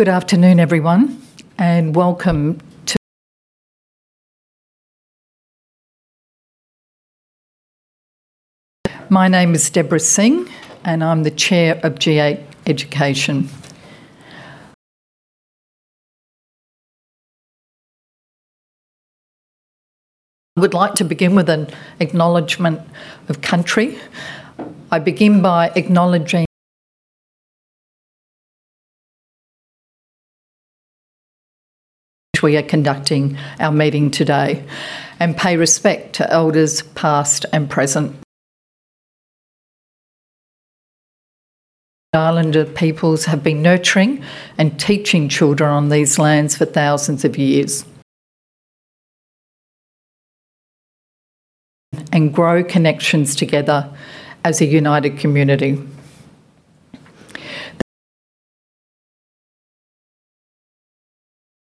Good afternoon, everyone, and welcome. My name is Debra Singh, and I'm the Chair of G8 Education. I would like to begin with an acknowledgement of country. I begin by acknowledging we are conducting our meeting today and pay respect to elders past and present. Islander peoples have been nurturing and teaching children on these lands for thousands of years. Grow connections together as a united community.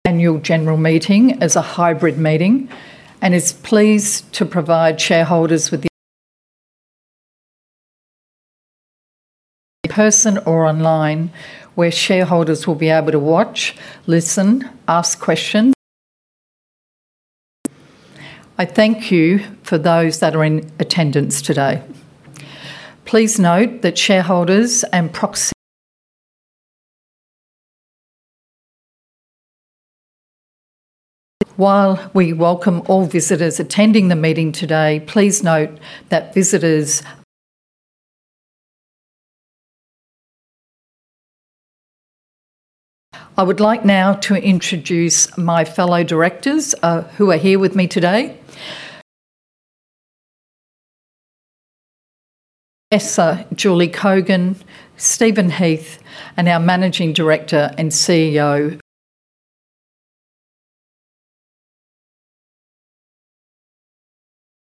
Annual General Meeting as a hybrid meeting and is pleased to provide shareholders with person or online, where shareholders will be able to watch, listen, ask questions. I thank you for those that are in attendance today. Please note that shareholders and. While we welcome all visitors attending the meeting today, please note that visitors. I would like now to introduce my fellow directors, who are here with me today. Is ah, Julie Cogin, Stephen Heath, and our Managing Director and CEO-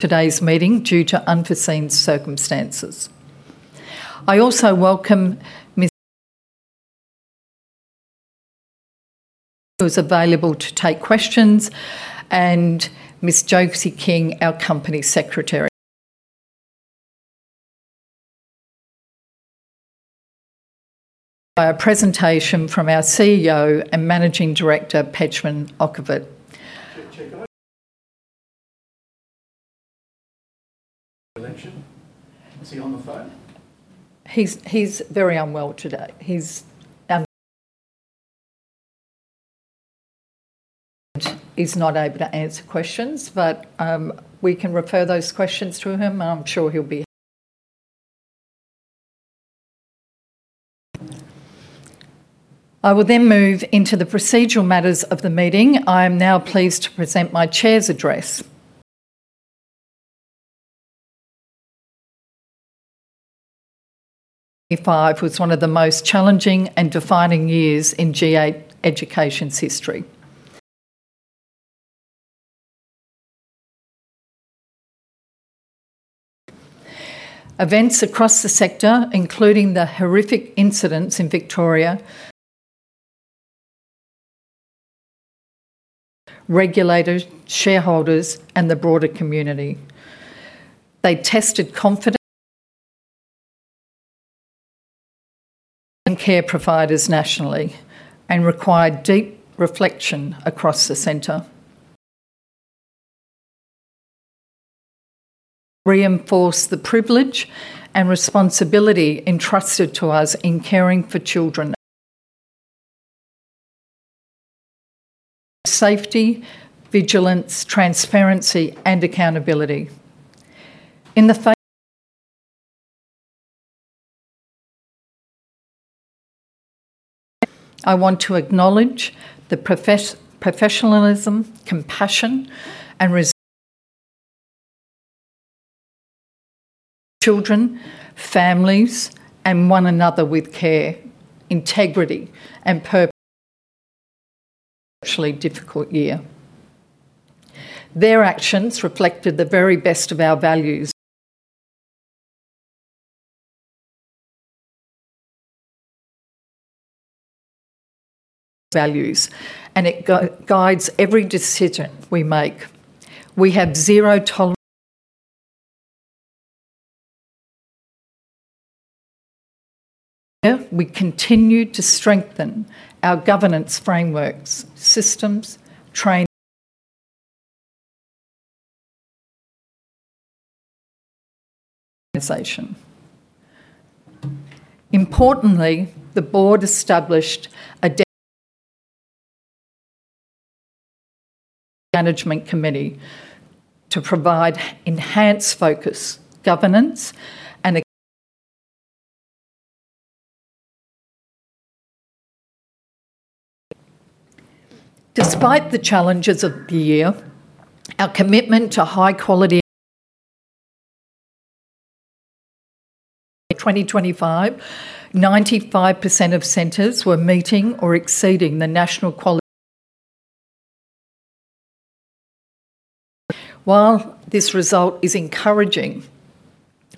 today's meeting due to unforeseen circumstances. I also welcome M- who is available to take questions, and Ms. Josie King, our Company Secretary. By a presentation from our CEO and Managing Director, Pejman Okhavat. Is he on the phone? He's very unwell today. He's not able to answer questions. We can refer those questions to him. I'm sure he'll be. I will move into the procedural matters of the meeting. I am now pleased to present my chair's address. FY 2025 was one of the most challenging and defining years in G8 Education's history. Events across the sector, including the horrific incidents in Victoria, regulators, shareholders, and the broader community. They tested confide- and care providers nationally and required deep reflection across the sector. Reinforce the privilege and responsibility entrusted to us in caring for children. Safety, vigilance, transparency, and accountability. In the face- I want to acknowledge the professionalism, compassion, and res- children, families, and one another with care, integrity, and pur- actually difficult year. Their actions reflected the very best of our values. Values. It guides every decision we make. We continue to strengthen our governance frameworks, systems, training, organization. Importantly, the board established a management committee to provide enhanced focus, governance. Despite the challenges of the year. In 2025, 95% of centers were meeting or exceeding the National Quality Standard. While this result is encouraging,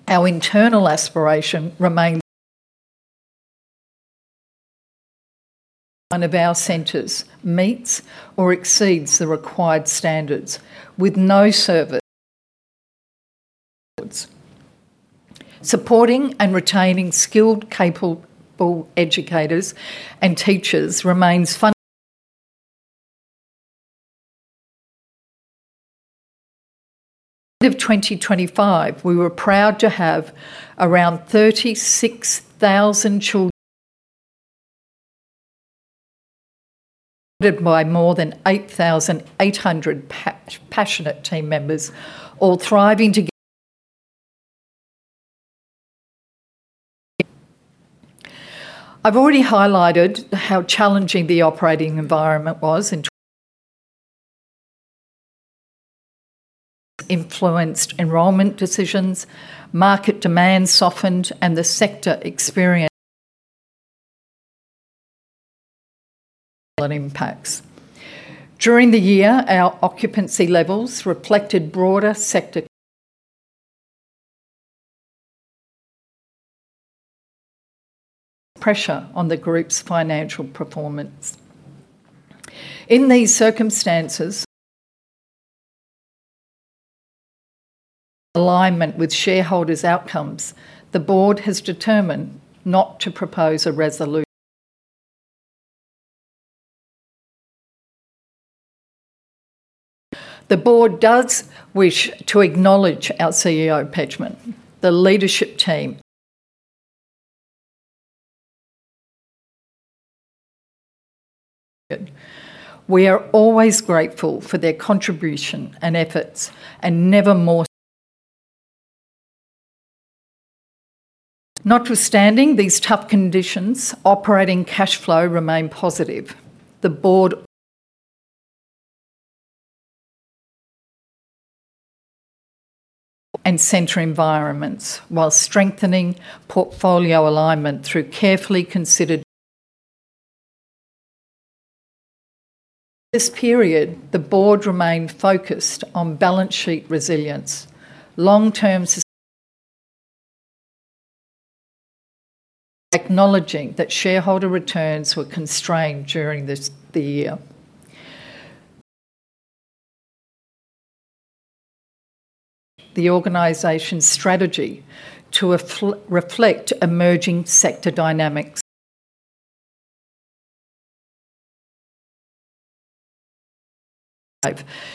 our internal aspiration remains. One of our centers meets or exceeds the required standards. Supporting and retaining skilled, capable educators and teachers remains fundamental. At the end of 2025, we were proud to have around 36,000 children by more than 8,800 passionate team members all thriving together. I've already highlighted how challenging the operating environment was. Influenced enrollment decisions, market demand softened, and the sector experienced impacts. During the year, our occupancy levels reflected broader sector pressure on the group's financial performance. In these circumstances, in alignment with shareholders' outcomes, the board has determined not to propose a resolution. The board does wish to acknowledge our CEO, Pejman, the leadership team. We are always grateful for their contribution and efforts, and never more so. Notwithstanding these tough conditions, operating cash flow remained positive. The board and center environments while strengthening portfolio alignment through carefully considered. During this period, the board remained focused on balance sheet resilience, long-term sustainability. Acknowledging that shareholder returns were constrained during this, the year. The organization's strategy to reflect emerging sector dynamics,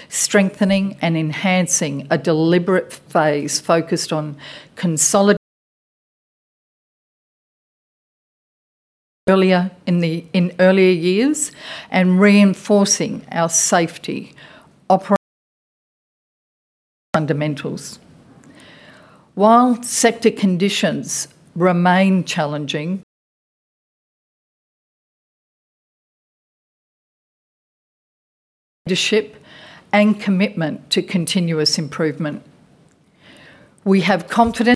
strengthening and enhancing a deliberate phase focused on consolidation earlier in earlier years and reinforcing our safety, operational fundamentals. While sector conditions remain challenging, leadership and commitment to continuous improvement. We have confidence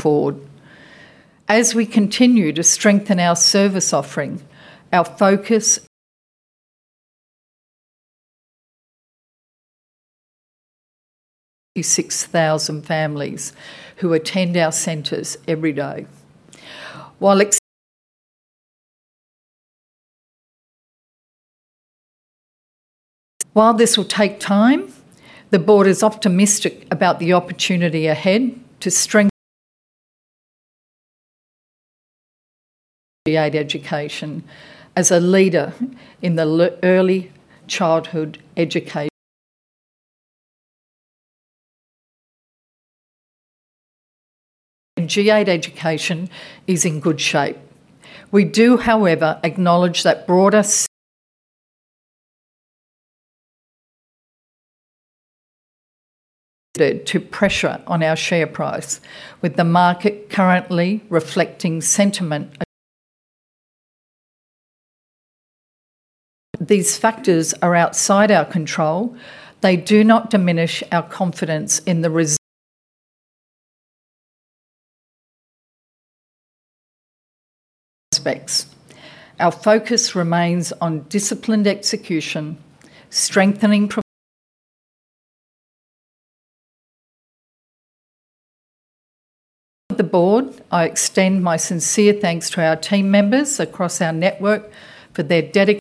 forward. As we continue to strengthen our service offering, our focus is the 66,000 families who attend our centers every day. While this will take time, the board is optimistic about the opportunity ahead to strengthen G8 Education as a leader in the early childhood education. G8 Education is in good shape. We do, however, acknowledge that broader factors to pressure on our share price, with the market currently reflecting sentiment. These factors are outside our control. They do not diminish our confidence in the resilience aspects. Our focus remains on disciplined execution, strengthening processes. On behalf of the board, I extend my sincere thanks to our team members across our network for their dedication.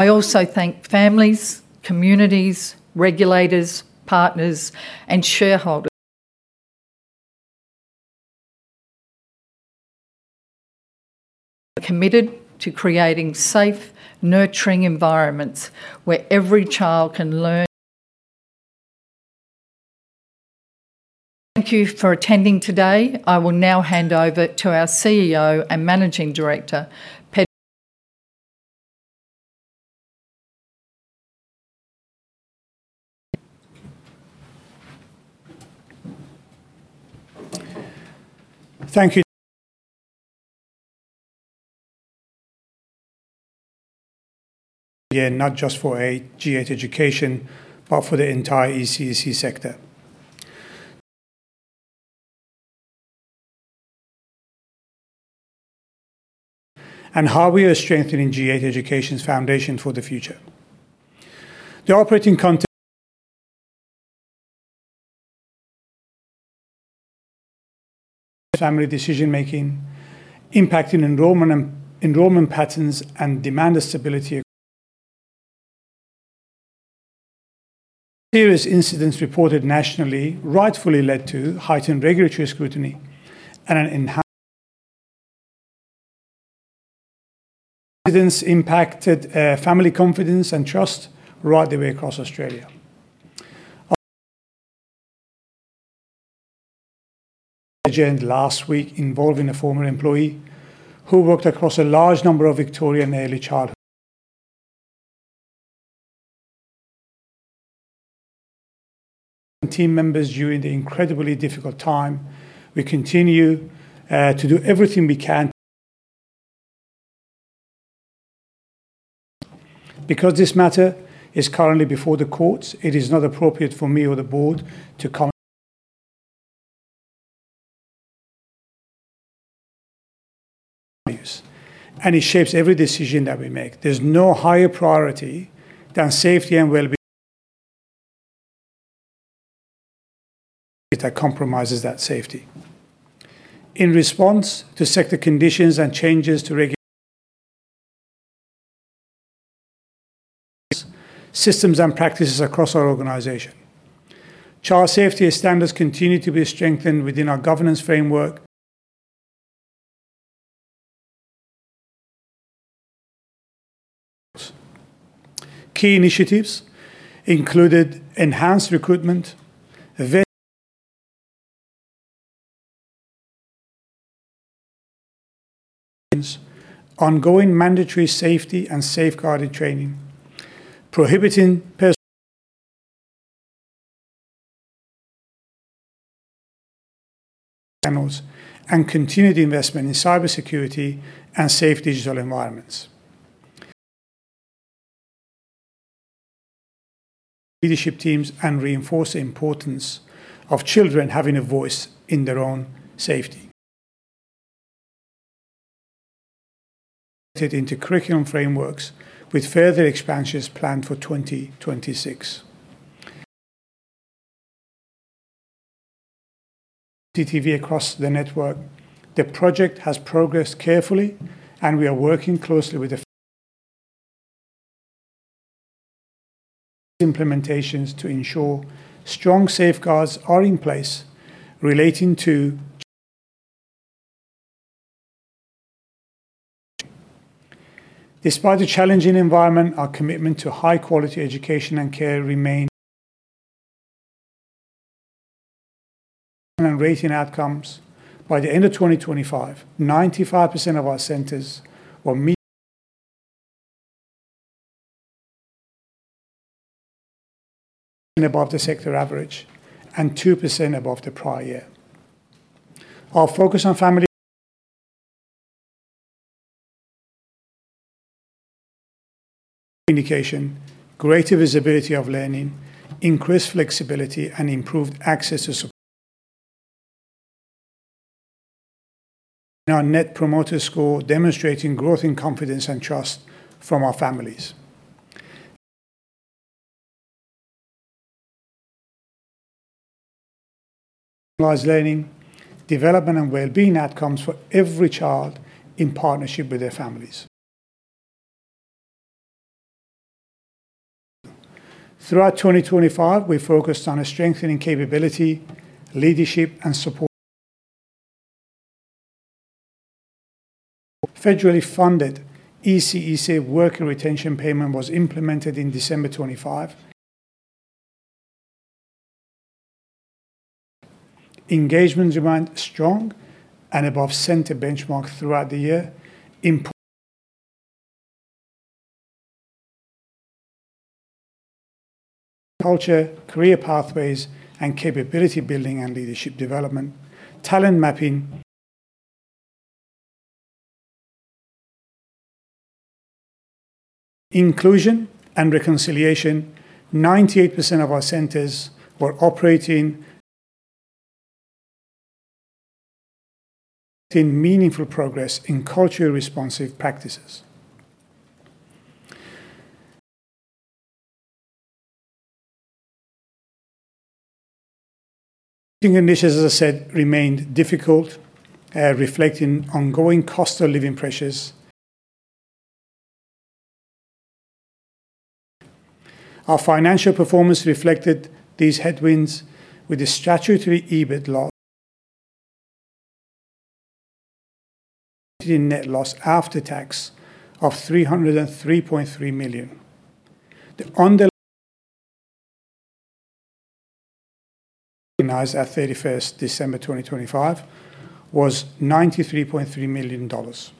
I also thank families, communities, regulators, partners, and shareholders. We are committed to creating safe, nurturing environments where every child can learn. Thank you for attending today. I will now hand over to our CEO and Managing Director, Pejman. Thank you again, not just for G8 Education, but for the entire ECEC sector. How we are strengthening G8 Education's foundation for the future. The operating Family decision-making, impacting enrollment and enrollment patterns and demand stability. Serious incidents reported nationally rightfully led to heightened regulatory scrutiny and an enhanced. Incidents impacted family confidence and trust right the way across Australia. Our Agenda last week involving a former employee who worked across a large number of Victorian early childhood team members during the incredibly difficult time. We continue to do everything we can. This matter is currently before the courts, it is not appropriate for me or the board to comment. Views, it shapes every decision that we make. There's no higher priority than safety and well-being. That compromises that safety. In response to sector conditions and changes to. Systems and practices across our organization. Child safety standards continue to be strengthened within our governance framework. Key initiatives included enhanced recruitment, ongoing mandatory safety and safeguarding training, prohibiting channels, and continued investment in cybersecurity and safe digital environments. Leadership teams reinforce the importance of children having a voice in their own safety. It into curriculum frameworks with further expansions planned for 2026. CCTV across the network. The project has progressed carefully, and we are working closely with the Implementations to ensure strong safeguards are in place relating to. Despite the challenging environment, our commitment to high-quality education and care remains. Rating outcomes. By the end of 2025, 95% of our centers were above the sector average and 2% above the prior. Our focus on communication, greater visibility of learning, increased flexibility, and improved access to. Our Net Promoter Score, demonstrating growth and confidence and trust from our families. Learning, development, and wellbeing outcomes for every child in partnership with their families. Throughout 2025, we focused on strengthening capability, leadership. ECEC Worker Retention Payment was implemented in December 25. Engagement remained strong and above center benchmark throughout the year, culture, career pathways, and capability building and leadership development, talent mapping. Inclusion and reconciliation. 98% of our centers were operating. Meaningful progress in culturally responsive practices. Working conditions, as I said, remained difficult, reflecting ongoing cost of living pressures. Our financial performance reflected these headwinds with a statutory EBIT loss. Net loss after tax of 303.3 million. The recognized at 31st December 2025 was 93.3 million dollars.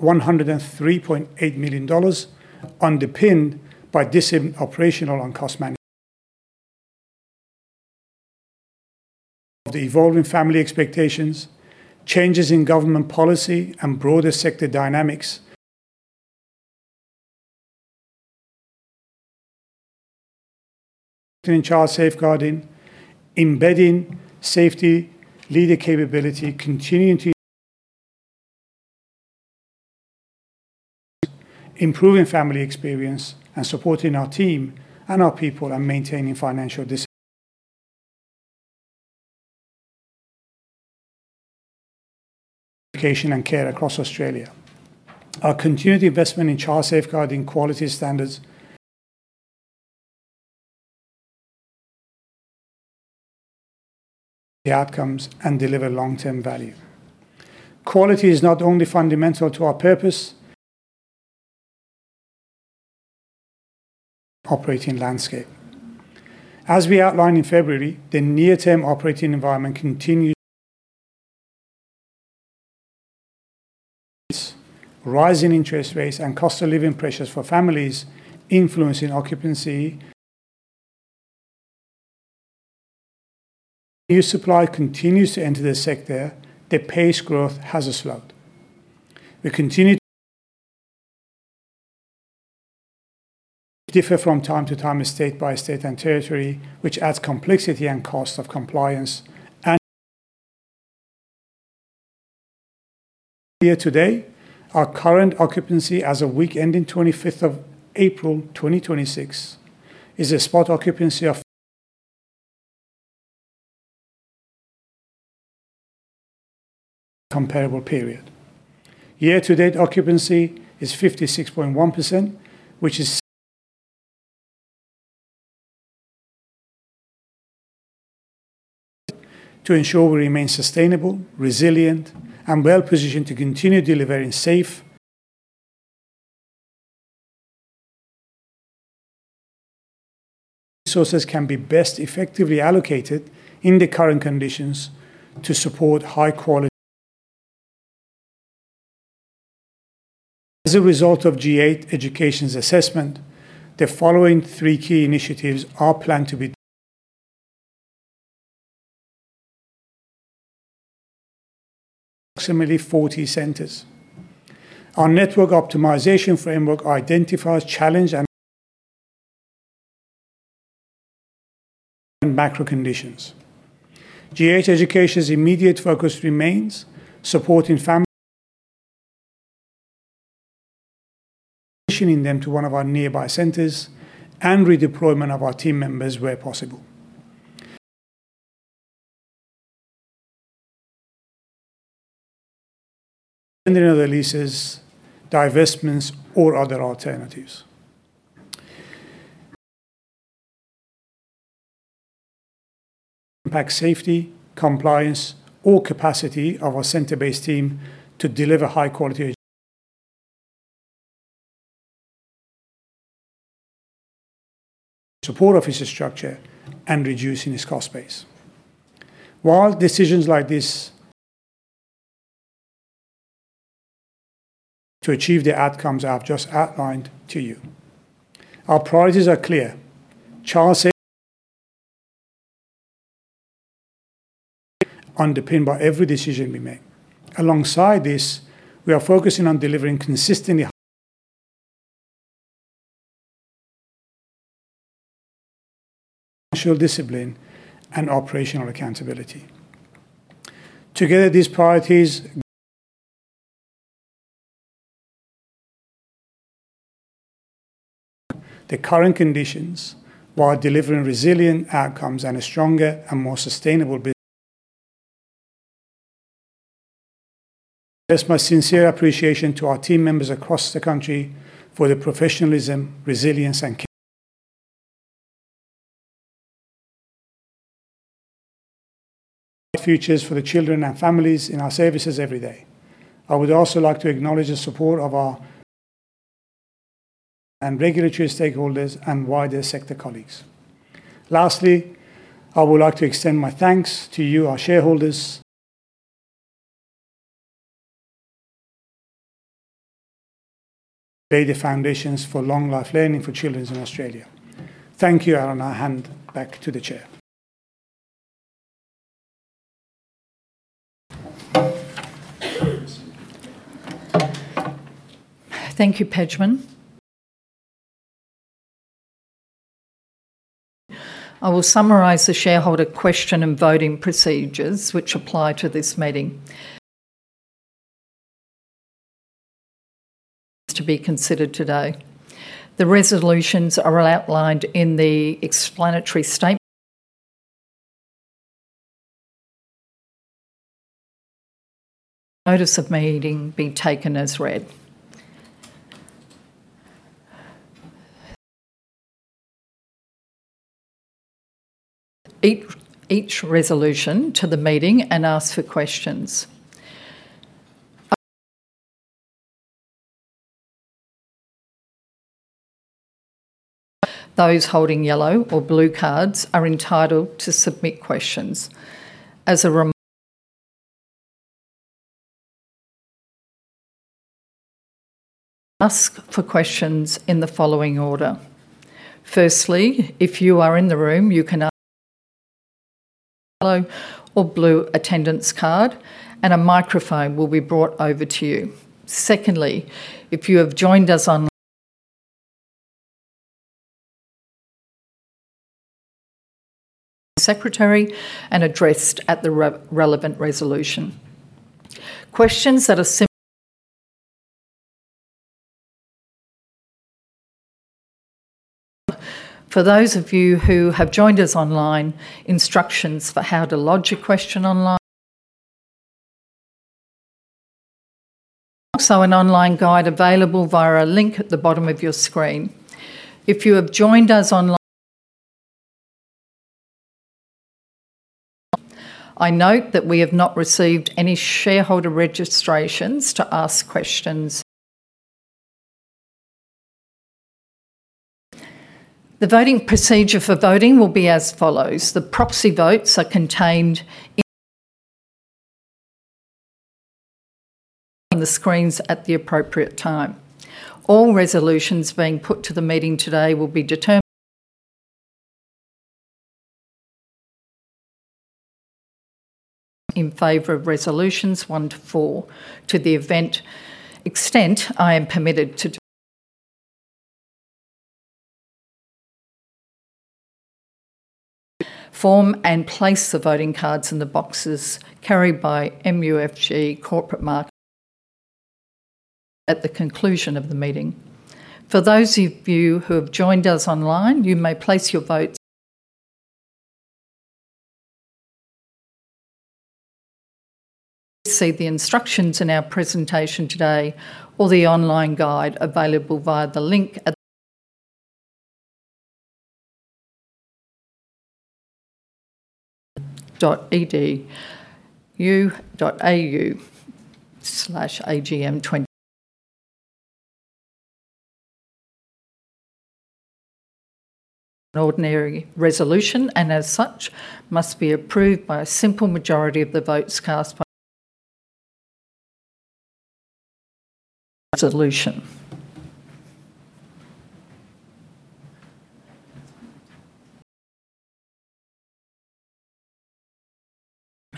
103.8 million dollars underpinned by operational and cost management. The evolving family expectations, changes in government policy, and broader sector dynamics. In child safeguarding, embedding safety leader capability, continuing to improve family experience and supporting our team and our people and maintaining financial discipline in education and care across Australia. Our continued investment in child safeguarding quality standards. The outcomes and deliver long-term value. Quality is not only fundamental to our purpose operating landscape. As we outlined in February, the near-term operating environment continues rise in interest rates and cost of living pressures for families influencing occupancy. New supply continues to enter the sector, the pace of growth has slowed. We continue to differ from time to time, state by state and territory, which adds complexity and cost of compliance. here today, our current occupancy as of week ending 25th of April 2026 is a spot occupancy of... comparable period. Year-to-date occupancy is 56.1%, which is to ensure we remain sustainable, resilient, and well-positioned to continue delivering safe... resources can be best effectively allocated in the current conditions to support high quality... As a result of G8 Education's assessment, the following three key initiatives are planned to be... approximately 40 centers. Our network optimization framework identifies challenge and... macro conditions. G8 Education's immediate focus remains supporting... positioning them to one of our nearby centers and redeployment of our team members where possible. Ending of the leases, divestments or other alternatives. Impact safety, compliance or capacity of our center-based team to deliver high-quality... support office structure and reducing its cost base. While decisions like this... to achieve the outcomes I have just outlined to you. Our priorities are clear, underpinned by every decision we make. Alongside this, we are focusing on delivering consistently financial discipline and operational accountability. Together, these priorities the current conditions while delivering resilient outcomes and a stronger and more sustainable. I express my sincere appreciation to our team members across the country for their professionalism, resilience, and futures for the children and families in our services every day. I would also like to acknowledge the support of our and regulatory stakeholders and wider sector colleagues. Lastly, I would like to extend my thanks to you, our shareholders. lay the foundations for long life learning for children in Australia. Thank you. I hand back to the chair. Thank you, Pejman. I will summarize the shareholder question and voting procedures which apply to this meeting. To be considered today. The resolutions are outlined in the explanatory notice of meeting be taken as read. Each resolution to the meeting and ask for questions. Those holding yellow or blue cards are entitled to submit questions. As a ask for questions in the following order. Firstly, if you are in the room, you can ask yellow or blue attendance card, and a microphone will be brought over to you. Secondly, if you have joined us Secretary and addressed at the relevant resolution. For those of you who have joined us online, instructions for how to lodge a question online. Also an online guide available via a link at the bottom of your screen. If you have joined us, I note that we have not received any shareholder registrations to ask questions. The voting procedure for voting will be as follows. The proxy votes are contained in the screens at the appropriate time. All resolutions being put to the meeting today will be determined in favor of resolutions 1 to 4, to the extent I am permitted to form and place the voting cards in the boxes carried by MUFG Corporate Markets at the conclusion of the meeting. For those of you who have joined us online, you may place your votes. See the instructions in our presentation today or the online guide available via the link at .edu.au/agm20. An ordinary resolution, as such, must be approved by a simple majority of the votes cast by resolution.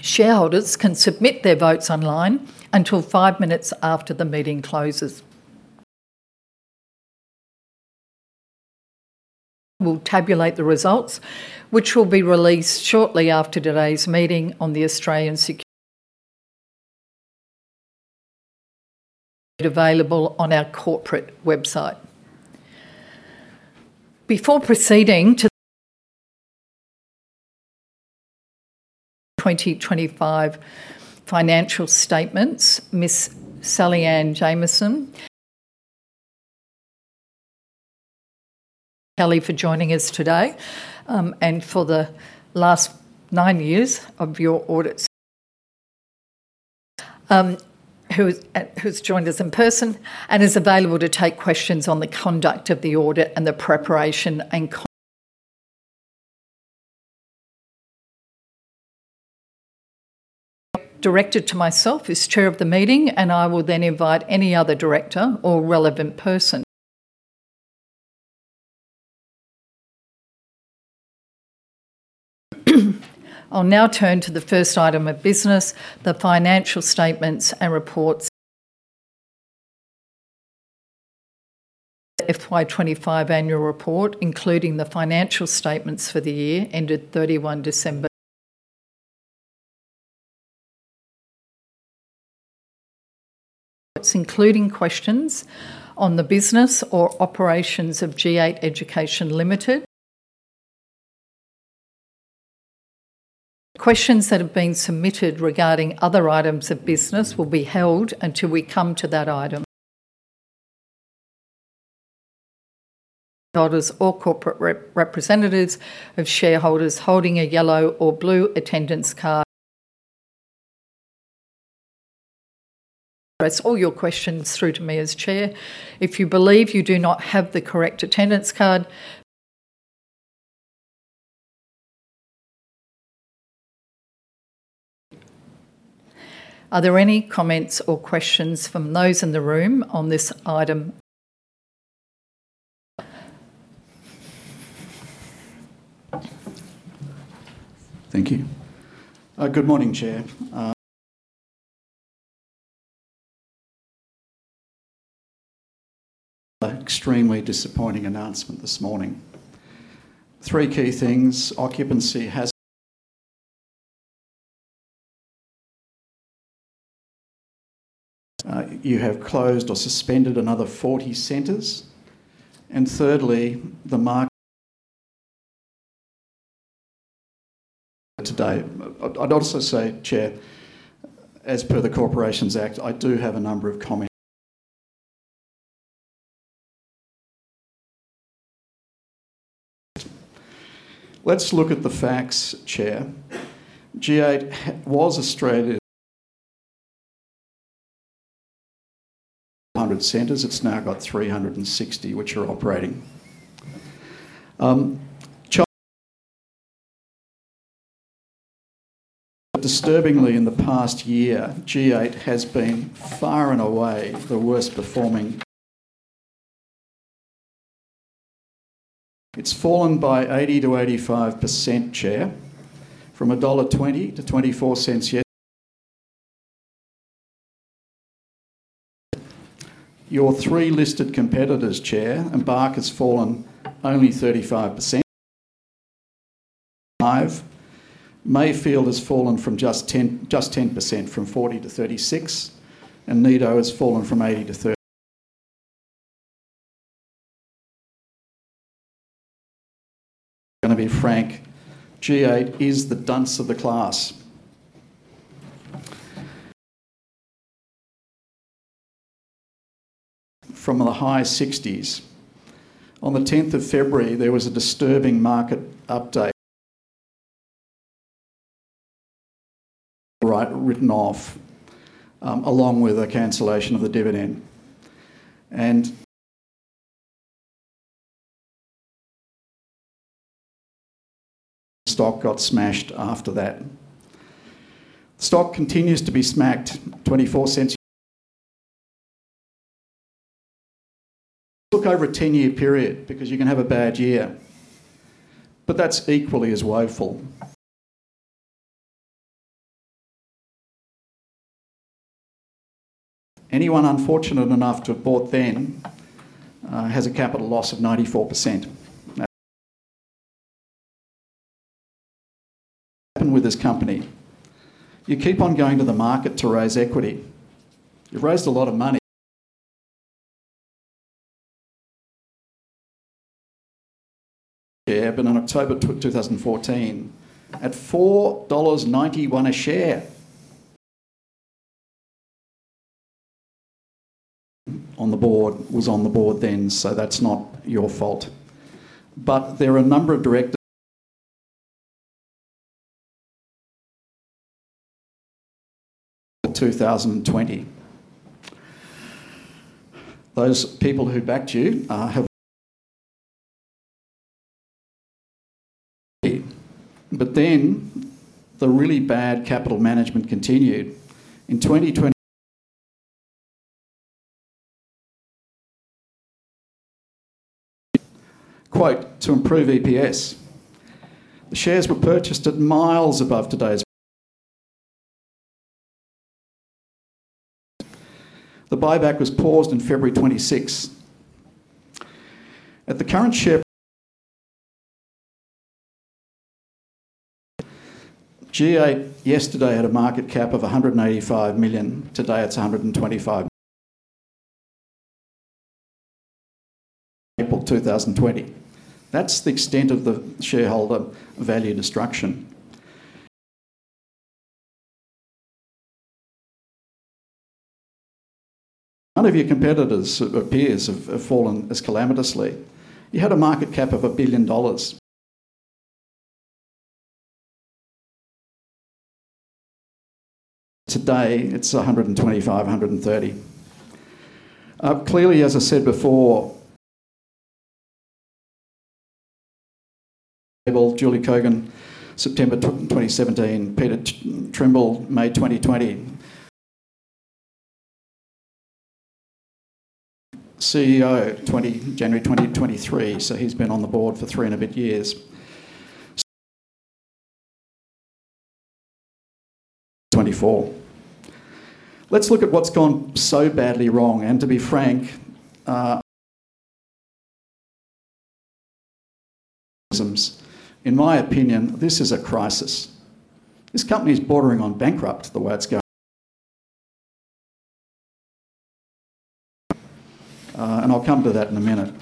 Shareholders can submit their votes online until five minutes after the meeting closes. Will tabulate the results, which will be released shortly after today's meeting available on our corporate website. Before proceeding to 2025 financial statements, Miss Sallyanne Jamieson. Kelly, for joining us today, and for the last 9 years of your audit. Who's joined us in person and is available to take questions on the conduct of the audit and the preparation. Directed to myself as chair of the meeting, and I will then invite any other director or relevant person. I'll now turn to the first item of business, the financial statements and reports. FY 2025 annual report, including the financial statements for the year ended 31 December. Including questions on the business or operations of G8 Education Limited. Questions that have been submitted regarding other items of business will be held until we come to that item. Shareholders or corporate representatives of shareholders holding a yellow or blue attendance card. It's all your questions through to me as chair. If you believe you do not have the correct attendance card. Are there any comments or questions from those in the room on this item? Thank you. Good morning, Chair. Extremely disappointing announcement this morning. Three key things. Occupancy has. You have closed or suspended another 40 centers. Thirdly, the mark- today. I'd also say, Chair, as per the Corporations Act, I do have a number of comments. Let's look at the facts, Chair. G8 was Australia's. 100 centers. It's now got 360 which are operating. Disturbingly in the past year, G8 has been far and away the worst performing. It's fallen by 80%-85%, Chair, from AUD 1.20 to 0.24. Your three listed competitors, Chair, Embark has fallen only 35%. Mayfield has fallen from 10% from 0.40 to 0.36. Nido has fallen from 0.80 to thir-. I'm going to be frank, G8 is the dunce of the class. From the high AUD 0.60s. On the 10th of February, there was a disturbing market update. Written off, along with a cancellation of the dividend. Stock got smashed after that. Stock continues to be smacked 0.24. Look over a 10-year period because you can have a bad year, but that's equally as woeful. Anyone unfortunate enough to have bought then has a capital loss of 94%. Happened with this company. You keep on going to the market to raise equity. You've raised a lot of money. Yeah, on October 2014 at AUD 4.91 a share. Was on the board then, that's not your fault. There are a number of directors for 2020. Those people who backed you. The really bad capital management continued. Quote, "To improve EPS." The shares were purchased at miles above today's. The buyback was paused in February 2026. At the current G8 yesterday had a market cap of 185 million. Today it's 125 million. April 2020. That's the extent of the shareholder value destruction. None of your competitors or peers have fallen as calamitously. You had a market cap of 1 billion dollars. Today it's 125 million, 130 million. Clearly, as I said, Julie Cogin, September 2017. Peter Trimble, May 2020. CEO January 2023. He's been on the board for three and a bit years since 2024. Let's look at what's gone so badly wrong. To be frank. In my opinion, this is a crisis. This company is bordering on bankrupt the way it's going. I'll come to that in a minute.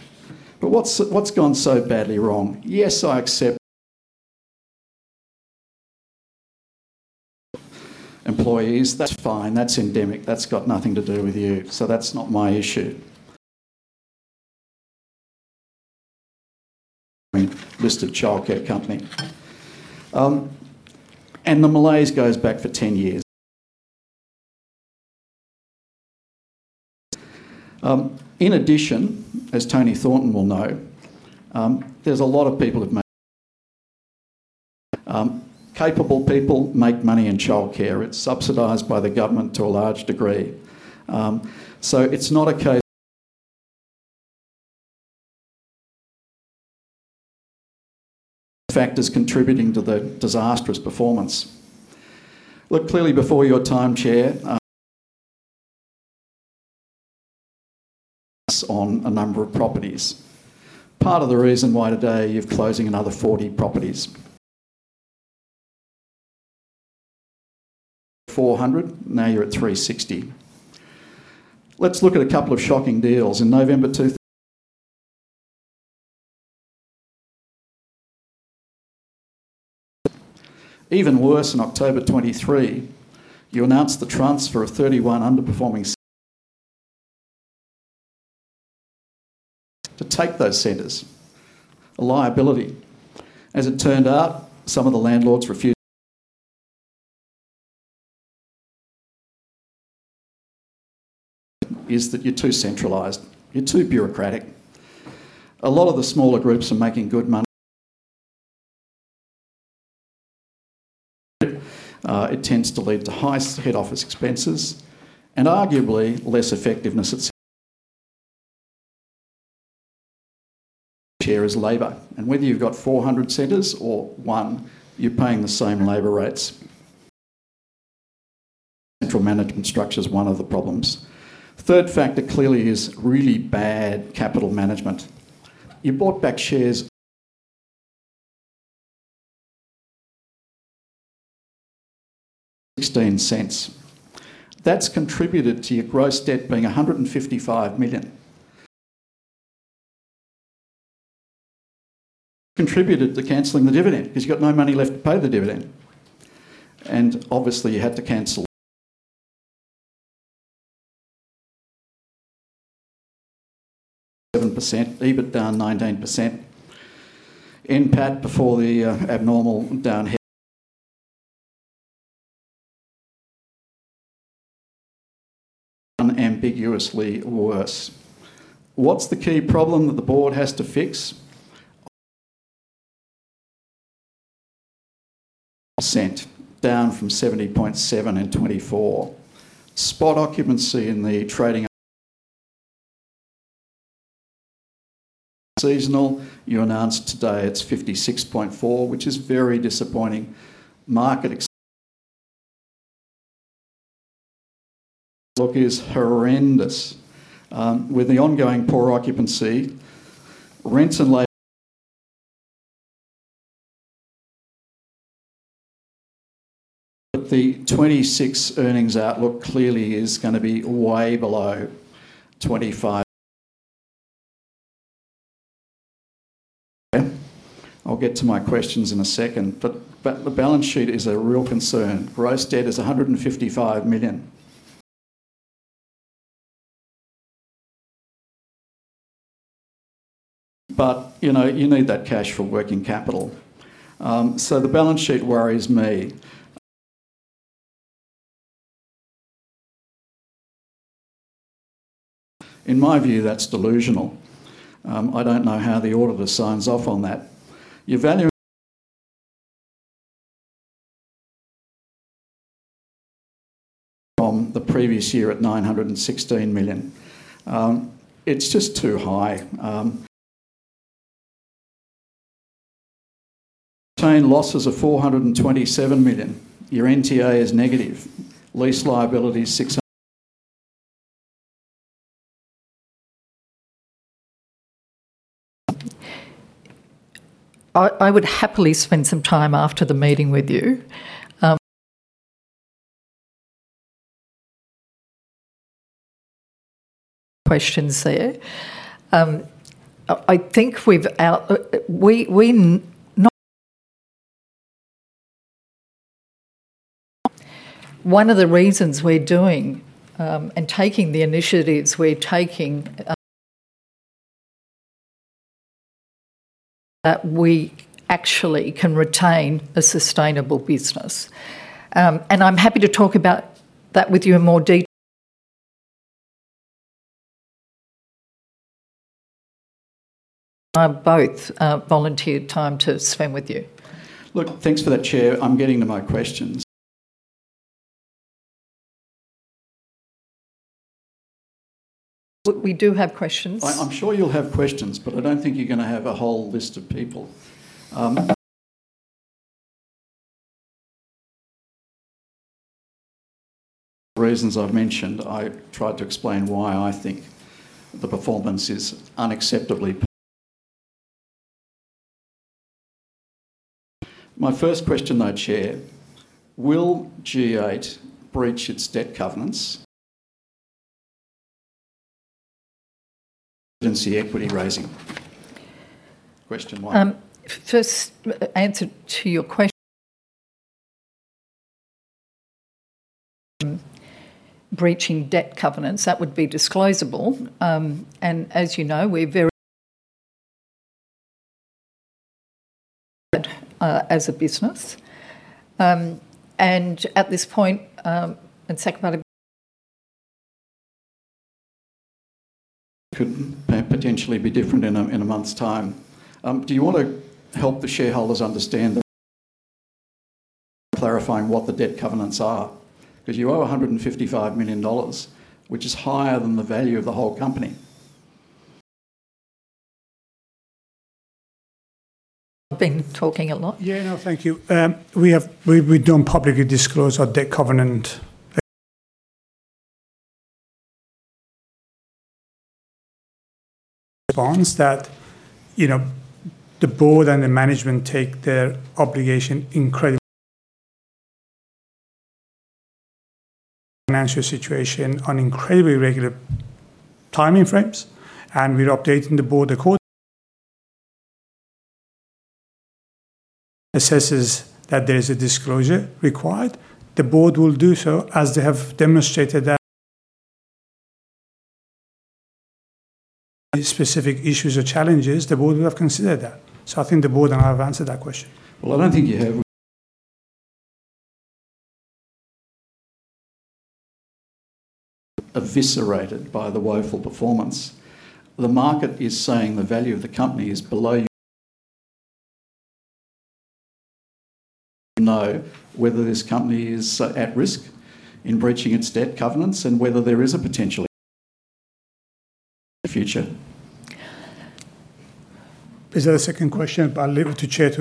What's gone so badly wrong? Yes, I accept. Employees, that's fine. That's endemic. That's got nothing to do with you. That's not my issue. Listed childcare company. The malaise goes back for 10 years. In addition, as Toni Thornton will know, there's a lot of people who've capable people make money in childcare. It's subsidized by the government to a large degree. It's not a Factors contributing to the disastrous performance. Look, clearly before your time, Chair. On a number of properties. Part of the reason why today you're closing another 40 properties. 400, now you're at 360. Let's look at a couple of shocking deals. In November. Even worse, in October 2023, you announced the transfer of 31 underperforming. To take those centers, a liability. As it turned out, some of the landlords refused. Is that you're too centralized, you're too bureaucratic. A lot of the smaller groups are making good money. It tends to lead to high head office expenses and arguably less effectiveness at share is labor. Whether you've got 400 centers or one, you're paying the same labor rates. Central management structure is one of the problems. Third factor clearly is really bad capital management. You bought back shares. AUD 0.16. That's contributed to your gross debt being 155 million. Contributed to canceling the dividend because you've got no money left to pay the dividend. Obviously you had to cancel. 7%, EBIT down 19%. NPAT before the abnormal unambiguously worse. What's the key problem that the board has to fix? -%, down from 70.7 in 2024. Spot occupancy in the seasonal. You announced today it's 56.4, which is very disappointing. Market outlook is horrendous. With the ongoing poor occupancy, rents and but the 2026 earnings outlook clearly is gonna be way below 2025. Okay. I'll get to my questions in a second. The balance sheet is a real concern. Gross debt is 155 million. You know, you need that cash for working capital. The balance sheet worries me. In my view, that's delusional. I don't know how the auditor signs off on that. You're from the previous year at 916 million. It's just too high. Retained losses of 427 million. Your NTA is negative. Lease liability is six hun- I would happily spend some time after the meeting with you. Questions there. I think one of the reasons we're doing and taking the initiatives we're taking that we actually can retain a sustainable business. I'm happy to talk about that with you. Both volunteered time to spend with you. Look, thanks for that, Chair. I'm getting to my questions. Look, we do have questions. I'm sure you'll have questions, I don't think you're going to have a whole list of people. For reasons I've mentioned, I tried to explain why I think the performance is unacceptably. My first question though, Chair: Will G8 breach its debt covenants? Emergency equity raising? Question one. First, answer to your breaching debt covenants, that would be disclosable. As you know, we're as a business. At this point, [inadible]. Could potentially be different in a month's time. Do you wanna help the shareholders understand clarifying what the debt covenants are? You owe 155 million dollars, which is higher than the value of the whole company. I've been talking a lot. Yeah. No, thank you. We don't publicly disclose our debt covenant response that, you know, the board and the management take their obligation incredibly financial situation on incredibly regular timing frames, and we're updating the board assesses that there is a disclosure required. The board will do so, as they have demonstrated that any specific issues or challenges, the board will have considered that. I think the board and I have answered that question. Well, I don't think you have. Eviscerated by the woeful performance. The market is saying the value of the company is below you know whether this company is at risk in breaching its debt covenants and whether there is a potential the future. Is there a second question? I'll leave it to Chair.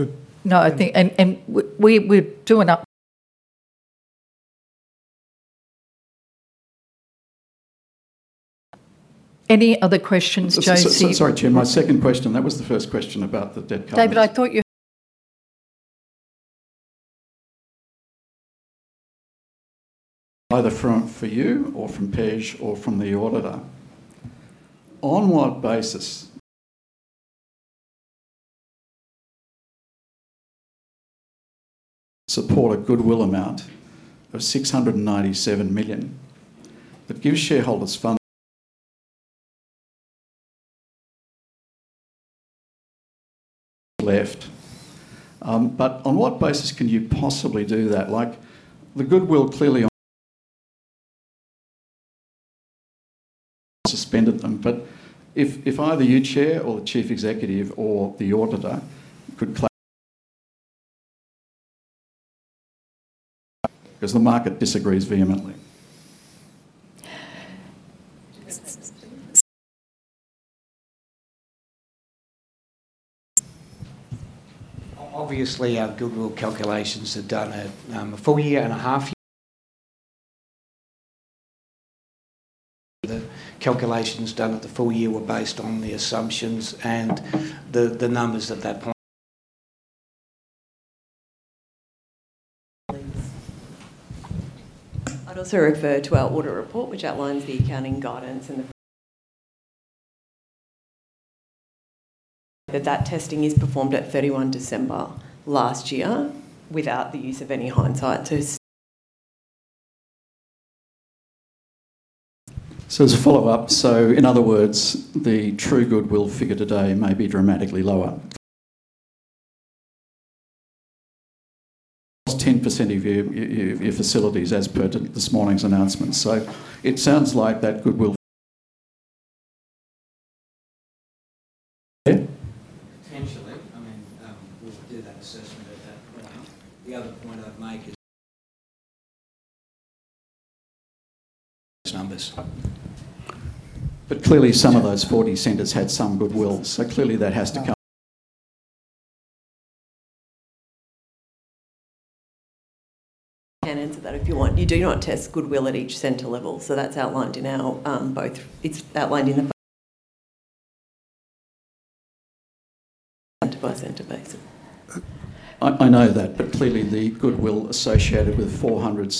Any other questions, Josie,? Sorry, Chair. My second question. That was the first question about the debt covenant. David, I thought you. Either from, for you, or from Pej, or from the auditor. On what basis support a goodwill amount of 697 million that gives shareholders left. On what basis can you possibly do that? Like, the goodwill clearly on suspended them. If either you, Chair, or the Chief Executive, or the auditor could 'cause the market disagrees vehemently. Obviously, our goodwill calculations are done at a full year and a half year. The calculations done at the full year were based on the assumptions and the numbers at that point. I'd also refer to our audit report, which outlines the accounting guidance and that testing is performed at 31 December last year without the use of any hindsight. As a follow-up, in other words, the true goodwill figure today may be dramatically lower. 10% of your facilities as per to this morning's announcement. It sounds like that goodwill Potentially. I mean, we'll do that assessment at that point in time. The other point I'd make is numbers. Clearly some of those 40 centers had some goodwill. Clearly that has to come. I can answer that if you want. You do not test goodwill at each center level. It's outlined in the center-by-center basis. I know that, clearly the goodwill associated with 400.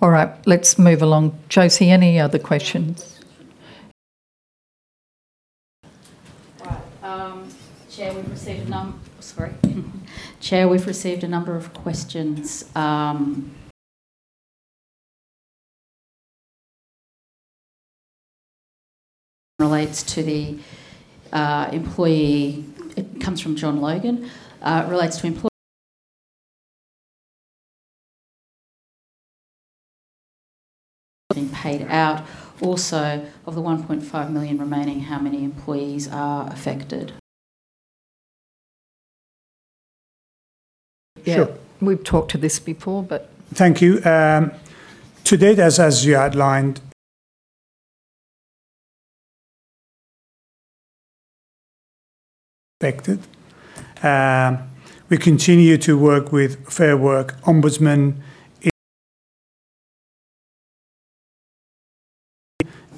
All right, let's move along. Josie, any other questions? Right. Chair, we've received a number of questions. It comes from John Logan. It relates to employ- been paid out. Of the 1.5 million remaining, how many employees are affected? Yeah. We've talked to this before. Thank you. To date, as you outlined, affected. We continue to work with Fair Work Ombudsman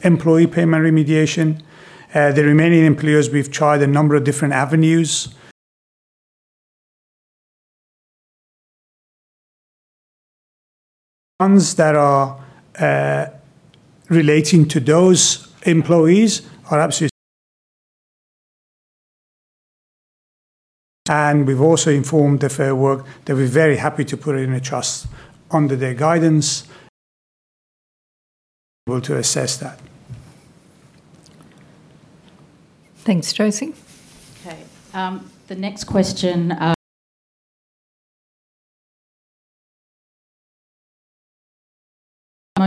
employee payment remediation. The remaining employers, we've tried a number of different avenues. Ones that are relating to those employees are absolutely and we've also informed the Fair Work that we're very happy to put it in a trust under their guidance. Thanks, Josie. Okay. The next question,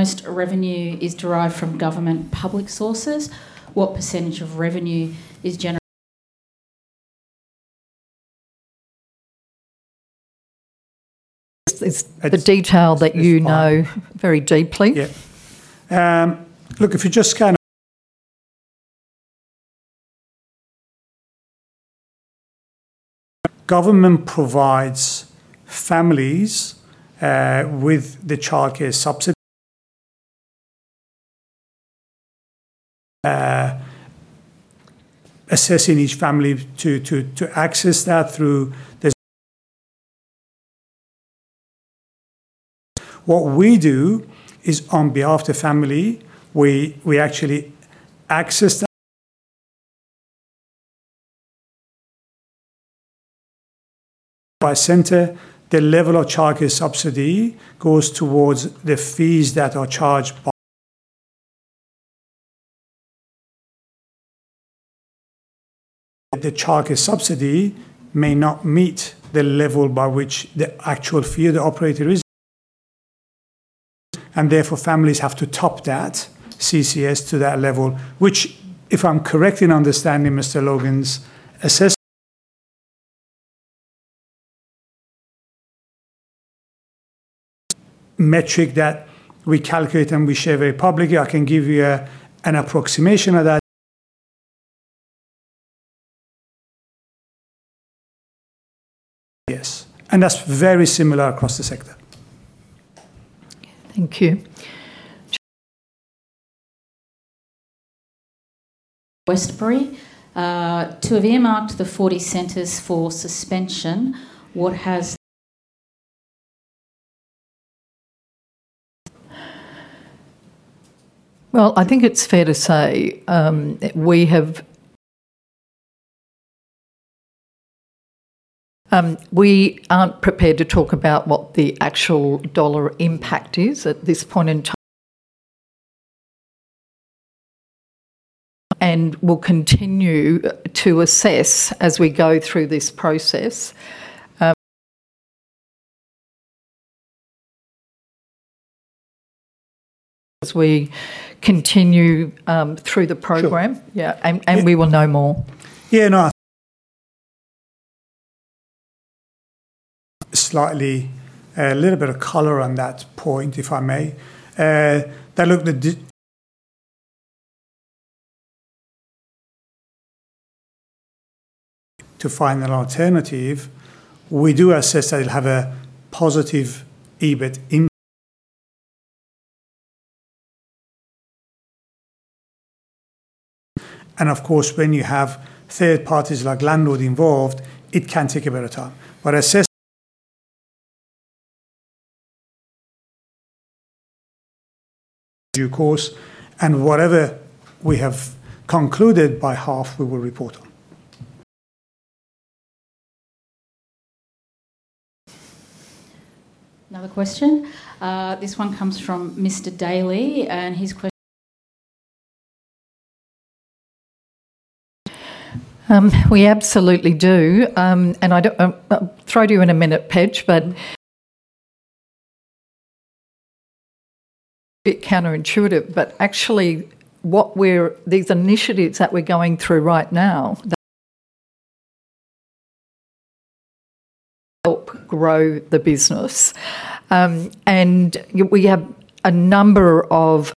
most revenue is derived from government public sources. What percentage of revenue is. It's the detail that you know. It's fine very deeply. Yeah. Government provides families with the Child Care Subsidy. Assessing each family to access that through this. What we do is, on behalf the family, we actually access that by center. The level of Child Care Subsidy goes towards the fees that are charged. The Child Care Subsidy may not meet the level by which the actual fee the operator is, and therefore families have to top that CCS to that level. Which if I'm correct in understanding Mr. Logan's assessment. Metric that we calculate and we share very publicly. I can give you an approximation of that. Yes, that's very similar across the sector. Thank you. Joe Westbury, to have earmarked the 40 centers for suspension. I think it's fair to say, we aren't prepared to talk about what the actual dollar impact is at this point in time and will continue to assess as we go through this process, as we continue through the program. Sure. Yeah, we will know more. Yeah, no. Slightly a little bit of color on that point, if I may. That looked at to find an alternative. We do assess that it'll have a positive EBIT impact. Of course, when you have third parties like landlord involved, it can take a bit of time. Assess due course, and whatever we have concluded by half, we will report on. Another question. This one comes from Mr. Daly. We absolutely do. I don't, I'll throw to you in a minute, Pej. Bit counterintuitive, but actually these initiatives that we're going through right now, they help grow the business. We have a number of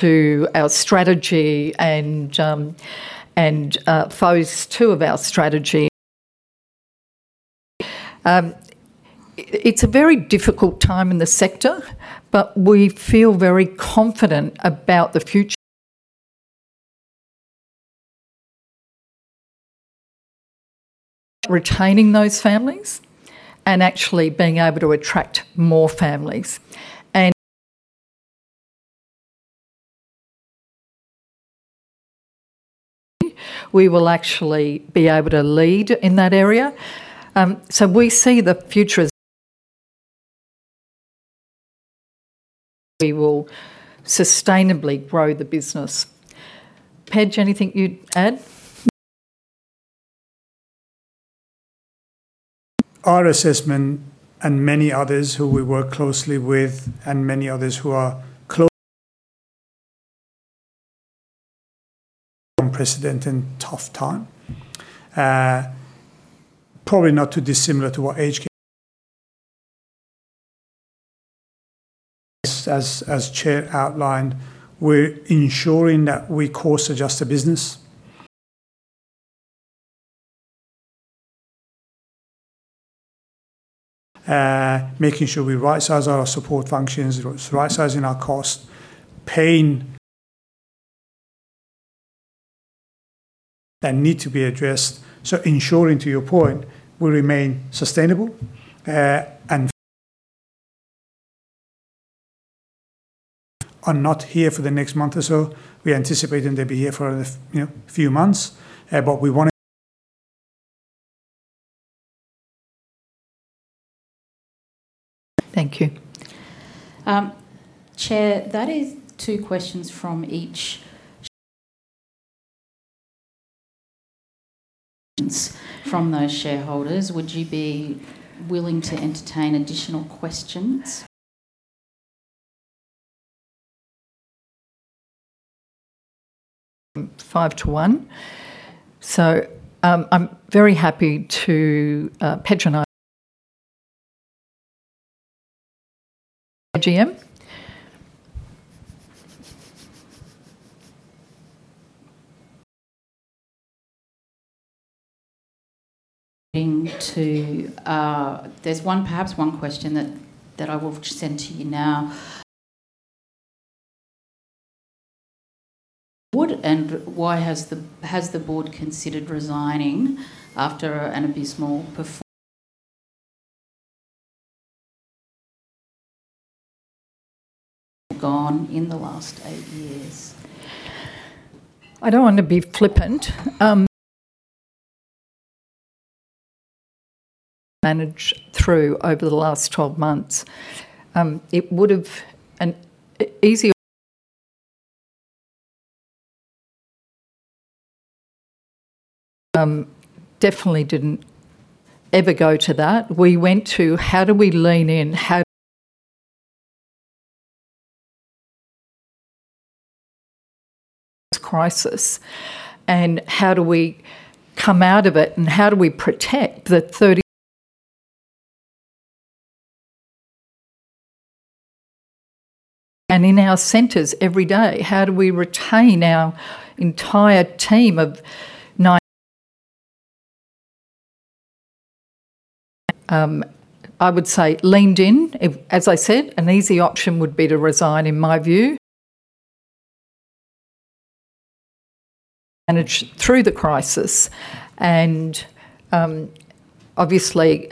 to our strategy and phase two of our strategy. It's a very difficult time in the sector, but we feel very confident about the future retaining those families and actually being able to attract more families. We will actually be able to lead in that area. We see the future as we will sustainably grow the business. Pej, anything you'd add? Our assessment and many others who we work closely with and many others who are unprecedented and tough time. Probably not too dissimilar to what HK as Chair outlined, we're ensuring that we course adjust the business. Making sure we rightsize our support functions, rightsizing our cost that need to be addressed. Ensuring, to your point, we remain sustainable, and are not here for the next month or so. We anticipate them to be here for, you know, few months. Thank you. Chair, that is two questions from each from those shareholders. Would you be willing to entertain additional questions? From five to one. I'm very happy to, Pej and I. AGM. To, there's one, perhaps one question that I will send to you now. Would and why has the, has the board considered resigning after an abysmal gone in the last eight years? I don't want to be flippant, manage through over the last 12 months. It would've an e-easier-. Definitely didn't ever go to that. We went to, "How do we lean in? How- this crisis, and how do we come out of it, and how do we protect the thirty- and in our centers every day?" How do we retain our entire team of nine-? I would say leaned in. If-- As I said, an easy option would be to resign, in my view. manage through the crisis and, obviously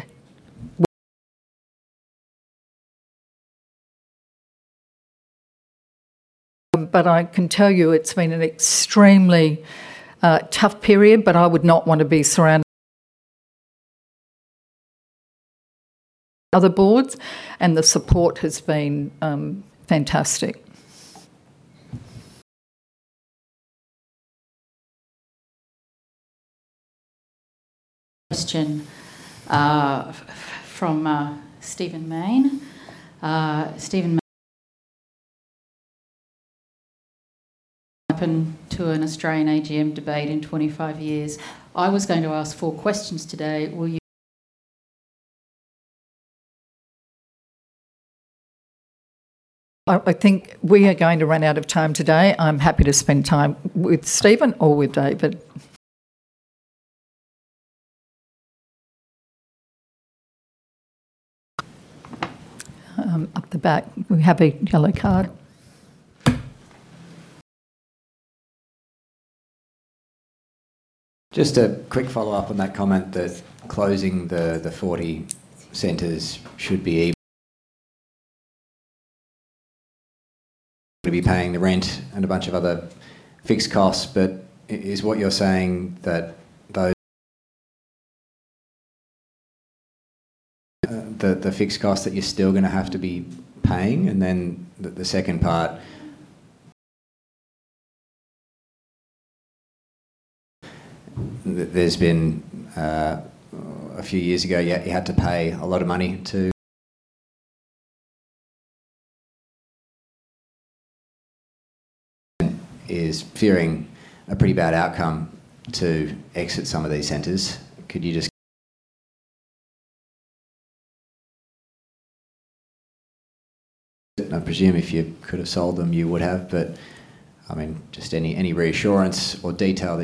w-. I can tell you it's been an extremely tough period. I would not want to be surrounded- other boards, and the support has been fantastic. Question, from Stephen Mayne. happened to an Australian AGM debate in 25 years. I was going to ask 4 questions today. Will you. I think we are going to run out of time today. I'm happy to spend time with Stephen or with David. Up the back. We have a yellow card. Just a quick follow-up on that comment that closing the 40 centers should be going to be paying the rent and a bunch of other fixed costs. Is what you're saying that those the fixed costs that you're still gonna have to be paying? The second part there's been a few years ago, you had to pay a lot of money to is fearing a pretty bad outcome to exit some of these centers. Could you just I presume if you could have sold them, you would have. I mean, just any reassurance or detail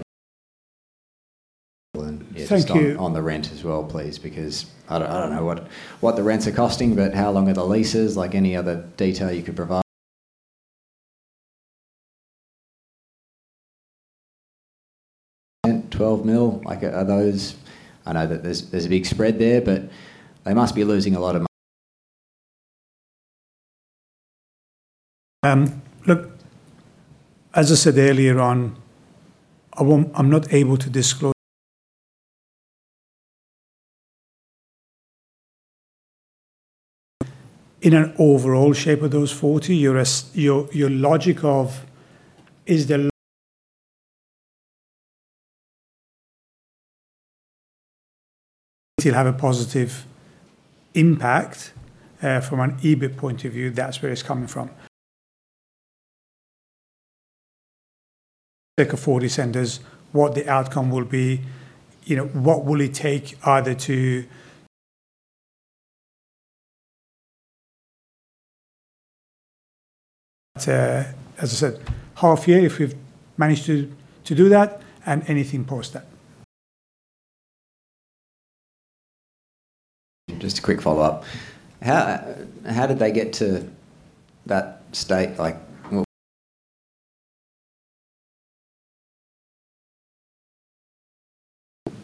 that Thank you. Just on the rent as well, please, because I don't know what the rents are costing, but how long are the leases? Like, any other detail you could provide? AUD 10 million, 12 million? Like, are those. I know that there's a big spread there, but they must be losing a lot of m- Look, as I said earlier on, I'm not able to disclose in an overall shape of those 40. Your logic of is the still have a positive impact from an EBIT point of view. That's where it's coming from. 40 centers, what the outcome will be, you know, what will it take either. As I said, half year, if we've managed to do that and anything post that. Just a quick follow-up. How did they get to that state? Like,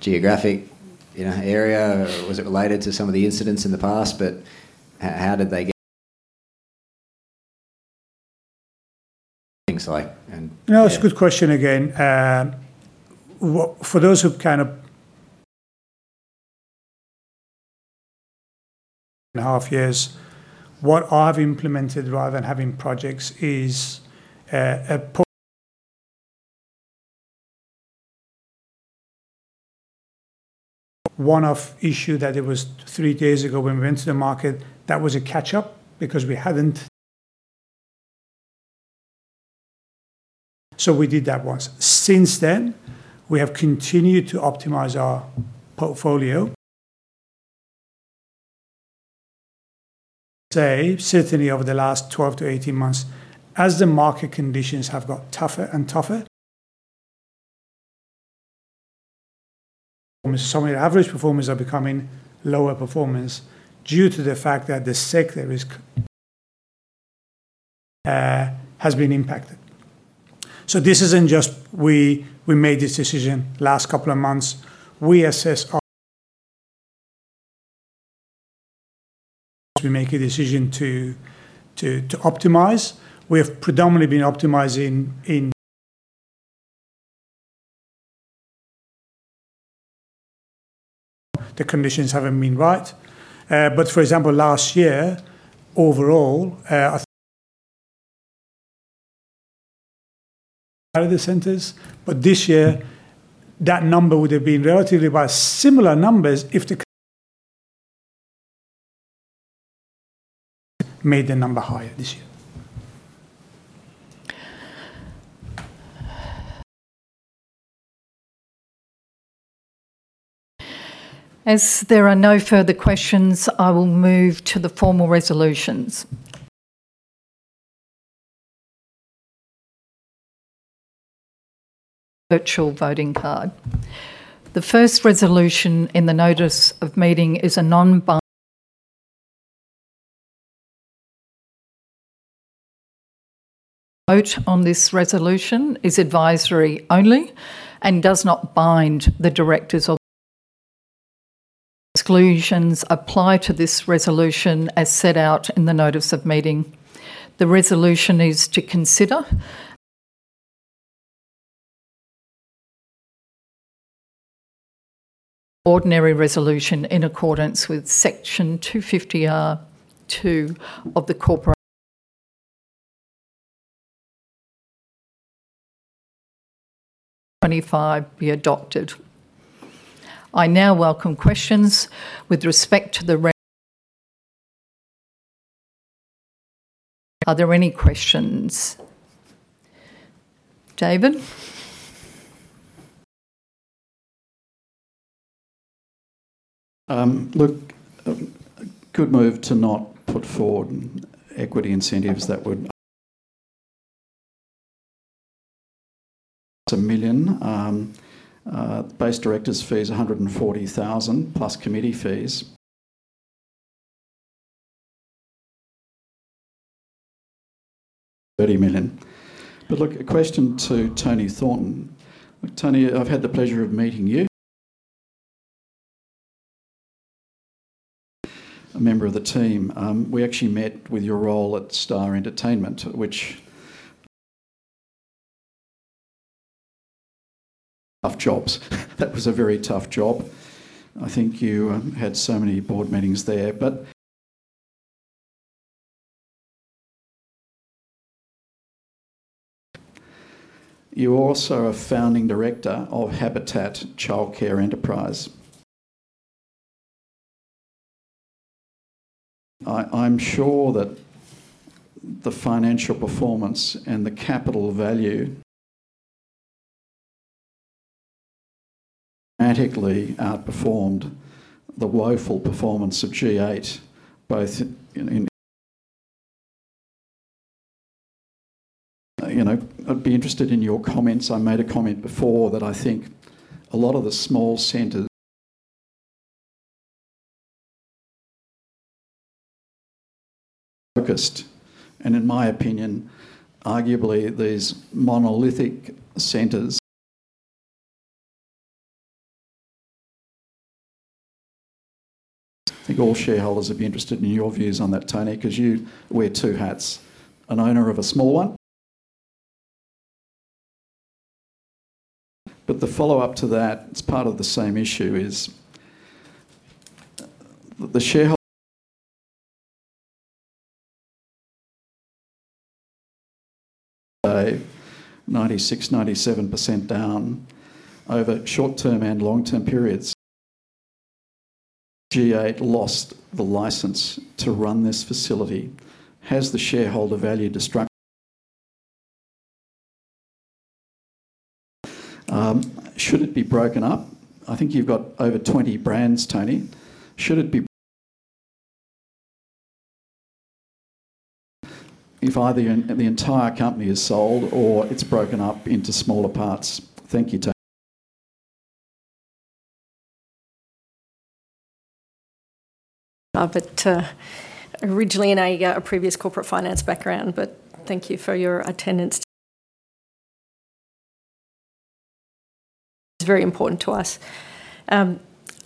geographic, you know, area? Was it related to some of the incidents in the past? No, it's a good question again. For those who've kind of and a half years, what I've implemented rather than having projects is a one-off issue that it was three days ago when we went to the market. That was a catch-up because we hadn't. We did that once. Since then, we have continued to optimize our portfolio. Certainly over the last 12-18 months, as the market conditions have got tougher and tougher. Many average performance are becoming lower performance due to the fact that the sector has been impacted. This isn't just we made this decision last couple of months. We assess our. We make a decision to optimize. We have predominantly been optimizing. The conditions haven't been right. For example, last year overall, I think out of the centers. this year that number would have been relatively about similar numbers if made the number higher this year. As there are no further questions, I will move to the formal resolutions. Virtual voting card. The first resolution in the notice of meeting is a non-bi- vote on this resolution is advisory only and does not bind the directors of- exclusions apply to this resolution as set out in the notice of meeting. The resolution is to consider- ordinary resolution in accordance with Section 250R(2) of the Corporations Act 25 be adopted. I now welcome questions with respect to the re-. Are there any questions? David? Look, a good move to not put forward equity incentives that 1 million. Base director's fee is 140,000 plus committee fees 30 million. Look, a question to Toni Thornton. Toni, I've had the pleasure of meeting you, a member of the team. We actually met with your role at Star Entertainment, tough jobs. That was a very tough job. I think you had so many board meetings there. You're also a founding director of Habitat Child Care Enterprise. I'm sure that the financial performance and the capital value dramatically outperformed the woeful performance of G8, both in. You know, I'd be interested in your comments. I made a comment before that I think a lot of the small centers focused. In my opinion, arguably these monolithic centers. I think all shareholders would be interested in your views on that, Toni, 'cause you wear two hats, an owner of a small one. The follow-up to that, it's part of the same issue, is a 96%, 97% down over short-term and long-term periods. G8 lost the license to run this facility. Has the shareholder value? Should it be broken up? I think you've got over 20 brands, Toni. If either the entire company is sold or it's broken up into smaller parts. Thank you. Originally in a previous corporate finance background, thank you for your attendance is very important to us.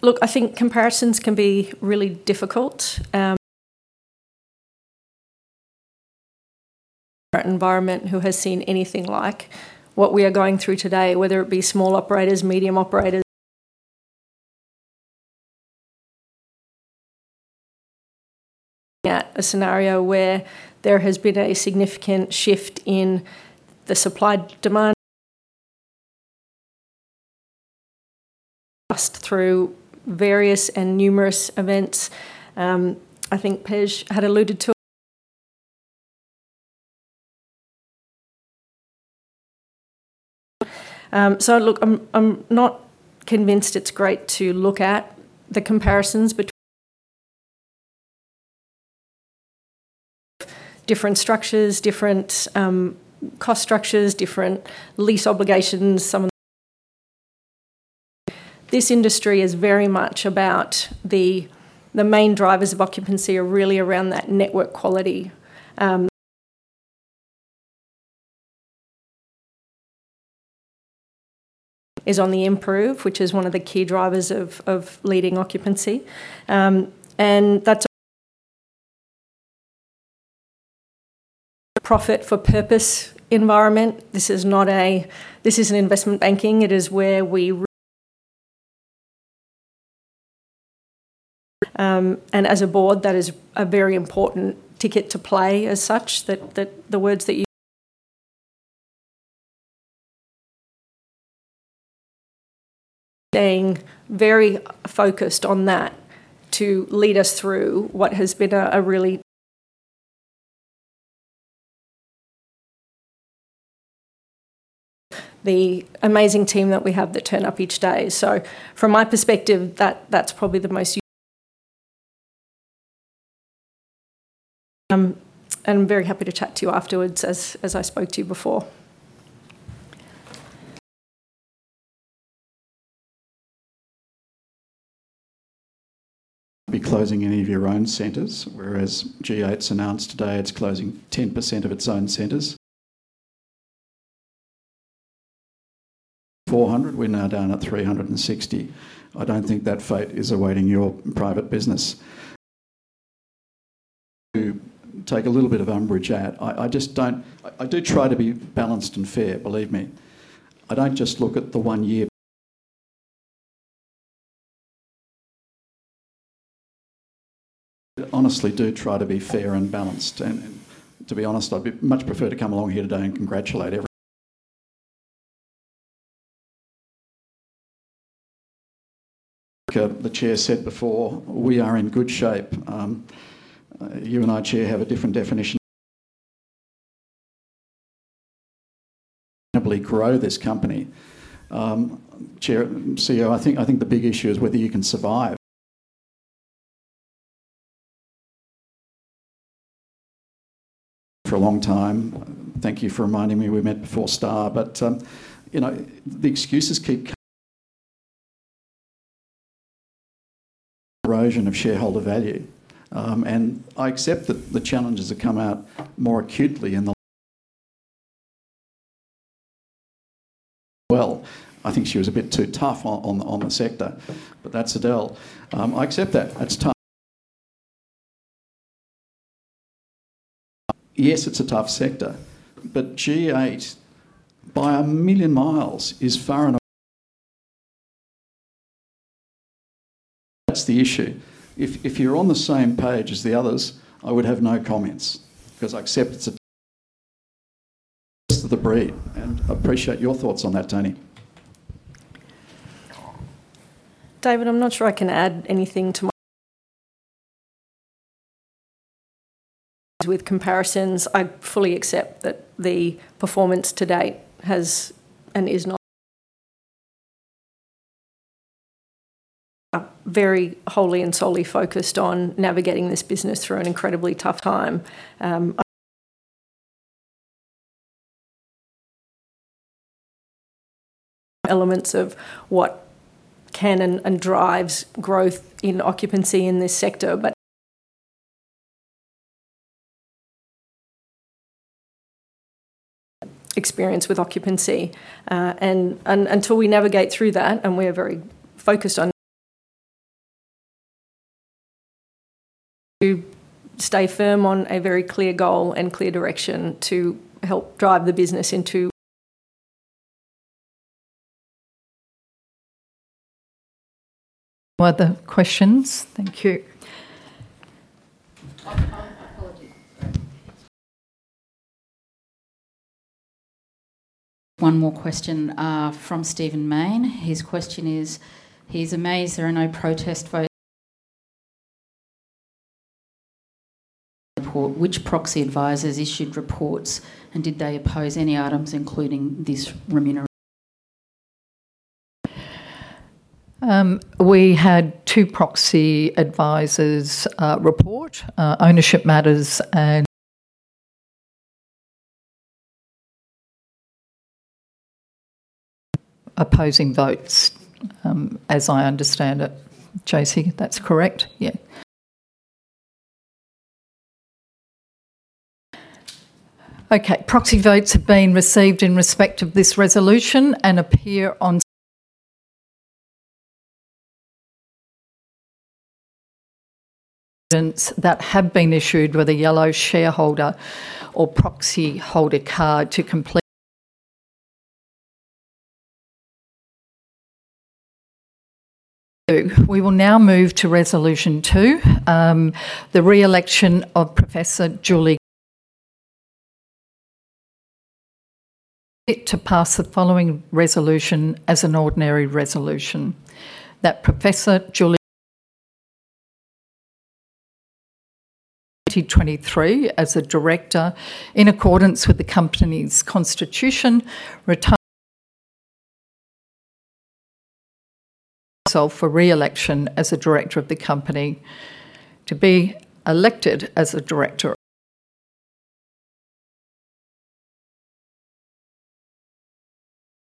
Look, I think comparisons can be really difficult. Current environment, who has seen anything like what we are going through today, whether it be small operators, medium operators, at a scenario where there has been a significant shift in the supply-demand. Us through various and numerous events. I think Pej had alluded to. Look, I'm not convinced it's great to look at the comparisons different structures, different cost structures, different lease obligations. This industry is very much about the main drivers of occupancy are really around that network quality is on the improve, which is one of the key drivers of leading occupancy. Profit for purpose environment. This isn't investment banking, it is where we, and as a board, that is a very important ticket to play as such that the words that, staying very focused on that to lead us through what has been a really the amazing team that we have that turn up each day. From my perspective, that's probably the most, and very happy to chat to you afterwards as I spoke to you before. Be closing any of your own centers, whereas G8's announced today it's closing 10% of its own centers. 400, we're now down at 360. I don't think that fate is awaiting your private business. To take a little bit of umbrage at. I just don't. I do try to be balanced and fair, believe me. I don't just look at the one year. I honestly do try to be fair and balanced. To be honest, I'd much prefer to come along here today and congratulate every. Like the Chair said before, we are in good shape. You and I, Chair, have a different definition. Sustainably grow this company. Chair, CEO, I think the big issue is whether you can survive for a long time. Thank you for reminding me we met before Star, you know, the excuses keep erosion of shareholder value. I accept that the challenges have come out more acutely in the well. I think she was a bit too tough on the sector. That's Adele. I accept that. That's Yes, it's a tough sector, but G8 by a million miles is far and That's the issue. If you're on the same page as the others, I would have no comments because I accept it's rest of the breed, and appreciate your thoughts on that, Toni. David, I'm not sure I can add anything with comparisons. I fully accept that the performance to date are very wholly and solely focused on navigating this business through an incredibly tough time. elements of what can and drives growth in occupancy in this sector, experience with occupancy. Until we navigate through that, and we are very focused on to stay firm on a very clear goal and clear direction to help drive the business into No other questions. Thank you. One more question, from Stephen Mayne. His question is, he's amazed there are no protest vote report. Which proxy advisors issued reports, and did they oppose any items including this remuneration? We had two proxy advisors, report, Ownership Matters. Opposing votes, as I understand it. Josie, that's correct? Yeah. Okay. Proxy votes have been received in respect of this resolution and appear on that have been issued with a yellow shareholder or proxy holder card to complete. Two. We will now move to Resolution Two, the re-election of Professor Julie Cogin fit to pass the following resolution as an ordinary resolution, that Professor Julie Cogin 2023 as a director in accordance with the company's constitution herself for re-election as a director of the company to be elected as a director.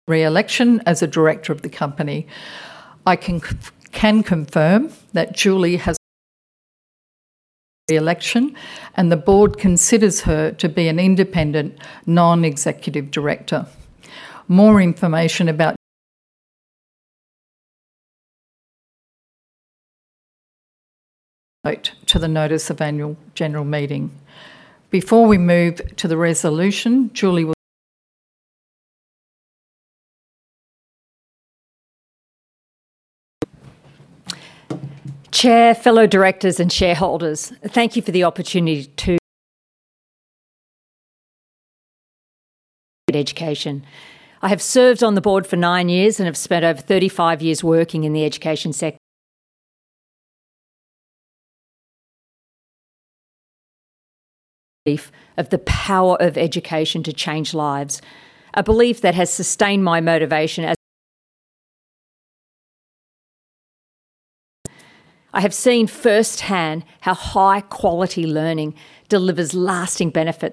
Re-election as a director of the company. I can confirm that Julie re-election, and the board considers her to be an independent non-executive director. More information about Julie. Note to the notice of annual general meeting. Before we move to the resolution, Julie will Chair, fellow directors, and shareholders, thank you for the opportunity. Education. I have served on the board for nine years, and have spent over 35 years working in the education sec- of the power of education to change lives. A belief that has sustained my motivation as. I have seen firsthand how high-quality learning delivers lasting benefit.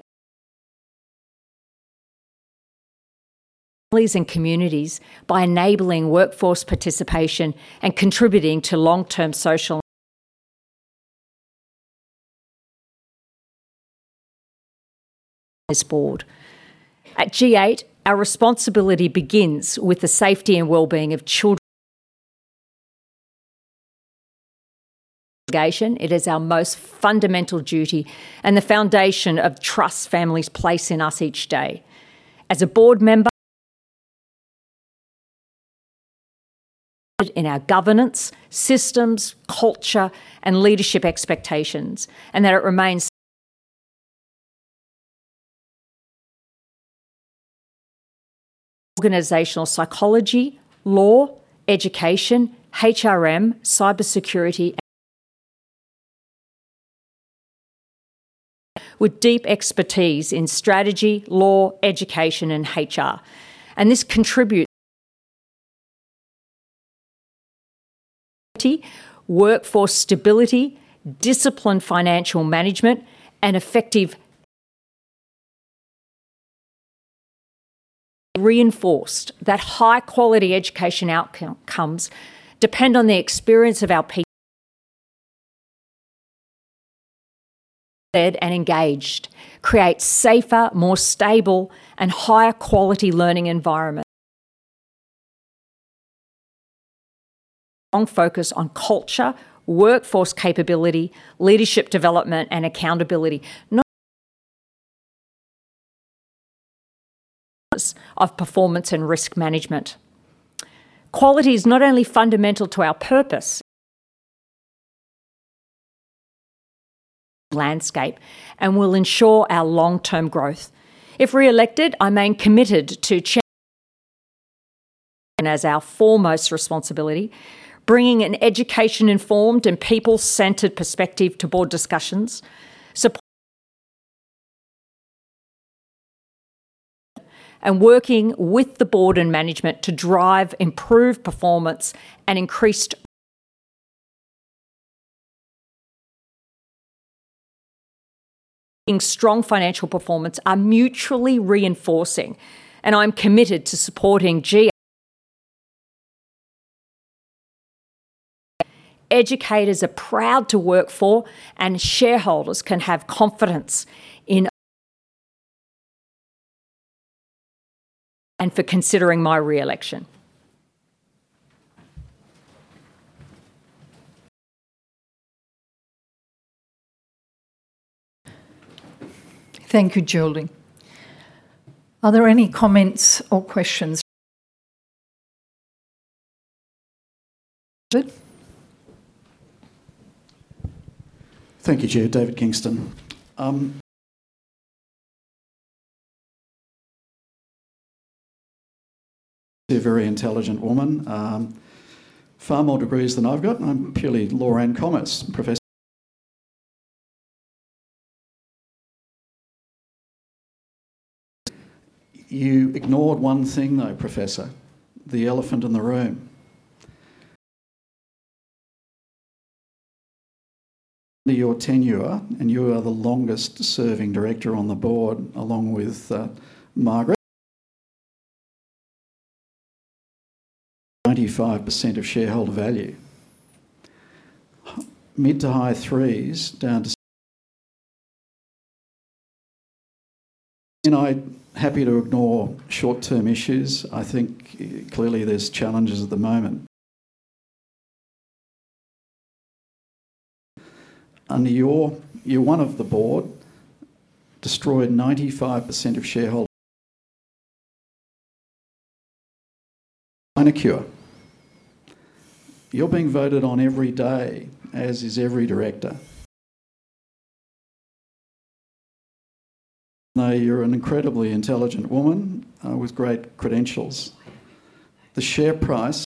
Families and communities by enabling workforce participation and contributing to long-term social this board. At G8, our responsibility begins with the safety and well-being of children. It is our most fundamental duty and the foundation of trust families place in us each day. As a board member. In our governance, systems, culture, and leadership expectations, and that it remains. Organizational psychology, law, education, HRM, cybersecurity. With deep expertise in strategy, law, education, and HR. This contributes. Quality, workforce stability, disciplined financial management, and effective. reinforced that high-quality education outcomes depend on the experience of our people. Led and engaged create safer, more stable, and higher quality learning environment. We have a strong focus on culture, workforce capability, leadership development, and accountability of performance and risk management. Quality is not only fundamental to our purpose, landscape, and will ensure our long-term growth. If re-elected, I remain committed to. As our foremost responsibility, bringing an education-informed and people-centered perspective to board discussions, working with the board and management to drive improved performance and increased. Strong financial performance are mutually reinforcing. I'm committed to supporting G8. Educators are proud to work for. Shareholders can have confidence in. For considering my re-election. Thank you, Julie. Are there any comments or questions? David. Thank you, Chair. David Kingston. You're a very intelligent woman. Far more degrees than I've got. I'm purely law and commerce. You ignored one thing though, Professor, the elephant in the room. Under your tenure, and you are the longest-serving director on the board, along with Margaret. 95% of shareholder value. Mid to high threes down to. I'm happy to ignore short-term issues. I think clearly there's challenges at the moment. You're one of the board, destroyed 95% of shareholder manicure. You're being voted on every day, as is every director. You're an incredibly intelligent woman with great credentials. The share price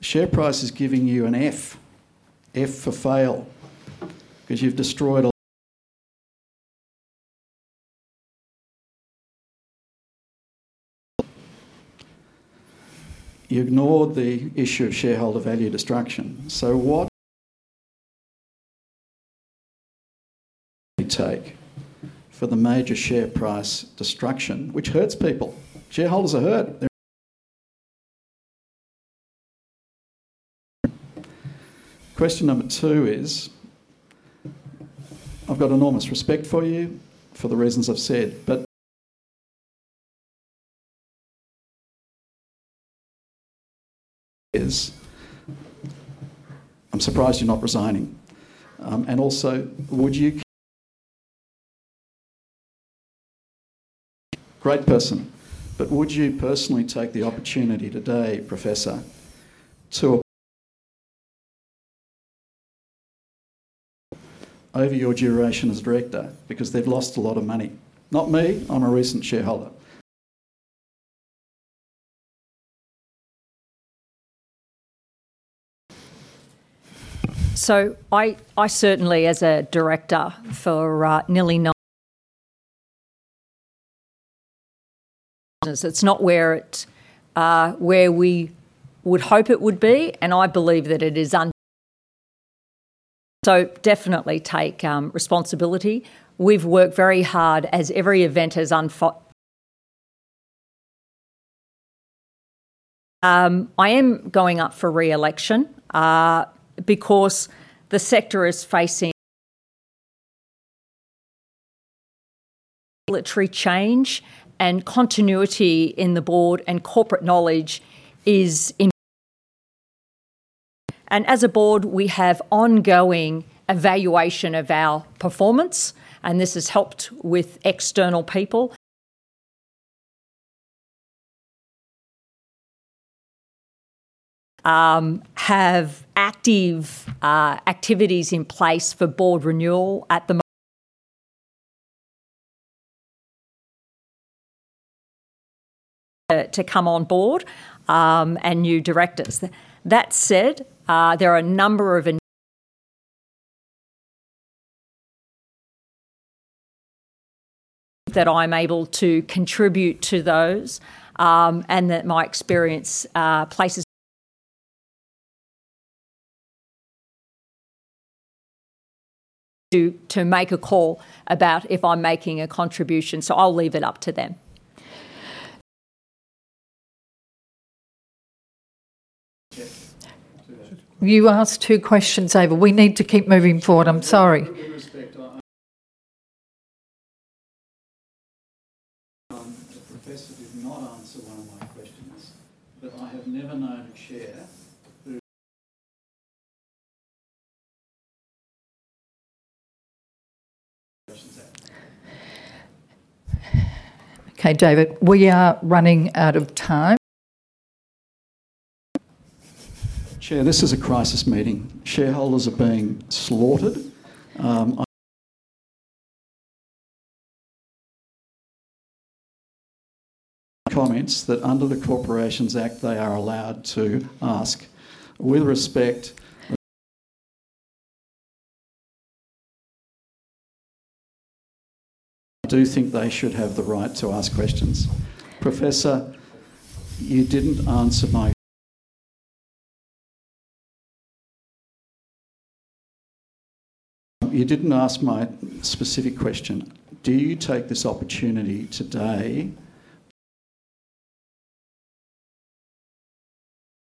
is giving you an F. F for fail, because you've destroyed. You ignored the issue of shareholder value destruction. What you take for the major share price destruction, which hurts people. Shareholders are hurt. Question number two is, I've got enormous respect for you for the reasons I've said. I'm surprised you're not resigning. Great person. Would you personally take the opportunity today, Professor, over your duration as director because they've lost a lot of money. Not me, I'm a recent shareholder. I certainly as a director for nearly. It's not where it, where we would hope it would be, and I believe that it is. Definitely take responsibility. We've worked very hard as every event has. I am going up for re-election because the sector is facing regulatory change and continuity in the board and corporate knowledge is. As a board, we have ongoing evaluation of our performance, and this has helped with external people. Have active activities in place for board renewal at the. To come on board, and new directors. That said, there are a number of. That I'm able to contribute to those, and that my experience places. To make a call about if I'm making a contribution. I'll leave it up to them. You asked two questions, David. We need to keep moving forward. I'm sorry. With all due respect, I, the Professor did not answer one of my questions, that I have never known a chair. Okay, David, we are running out of time. Chair, this is a crisis meeting. Shareholders are being slaughtered. Comments that under the Corporations Act they are allowed to ask. With respect, I do think they should have the right to ask questions. Professor, you didn't answer my. You didn't ask my specific question. Do you take this opportunity today?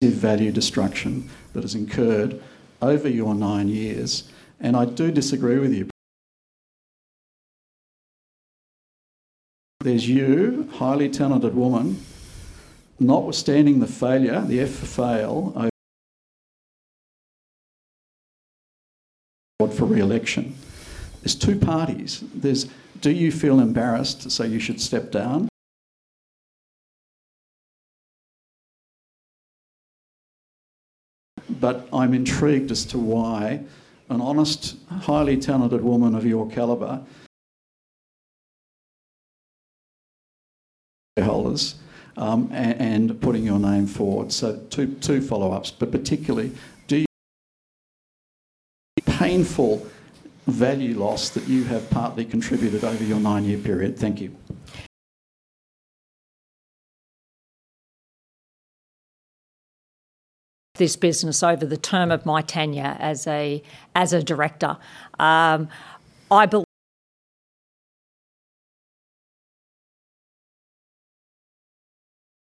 The value destruction that has incurred over your nine years, and I do disagree with you. There's you, highly talented woman, notwithstanding the failure, the F for fail. For re-election. There's two parties. There's do you feel embarrassed, so you should step down. I'm intrigued as to why an honest, highly talented woman of your caliber. Shareholders, and putting your name forward. Two follow-ups, but particularly do. Painful value loss that you have partly contributed over your nine-year period. Thank you. This business over the term of my tenure as a, as a director.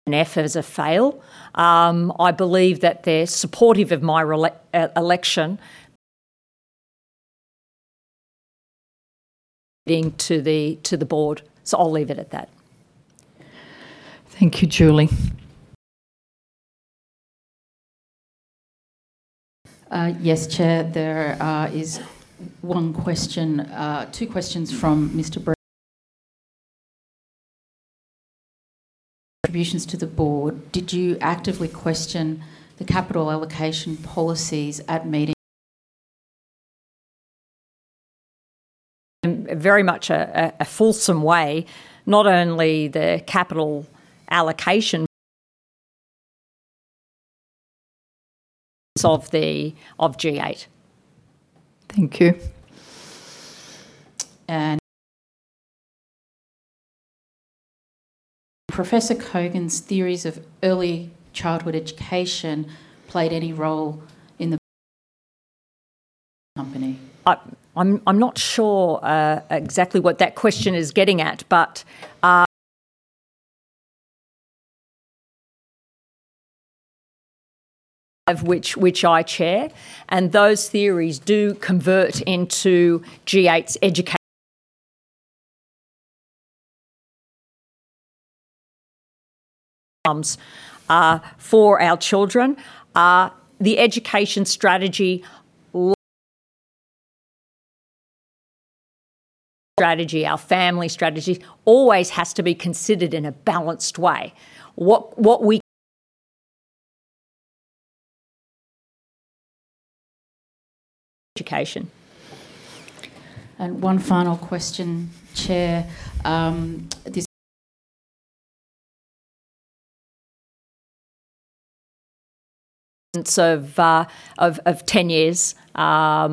An F as a fail. I believe that they're supportive of my election being to the board. I'll leave it at that. Thank you, Julie. Yes, Chair. There is one question, two questions from Mr. Bre-. Contributions to the board, did you actively question the capital allocation policies at meeting? In very much a fulsome way, not only the capital allocation- Of the, of G8. Thank you. Professor Cogin's theories of early childhood education played any role in the company? I'm not sure exactly what that question is getting at, but Of which I chair, and those theories do convert into G8 Education's educations for our children. The education strategy, our family strategy always has to be considered in a balanced way. What we education. one final question, Chair. Since of 10 years. At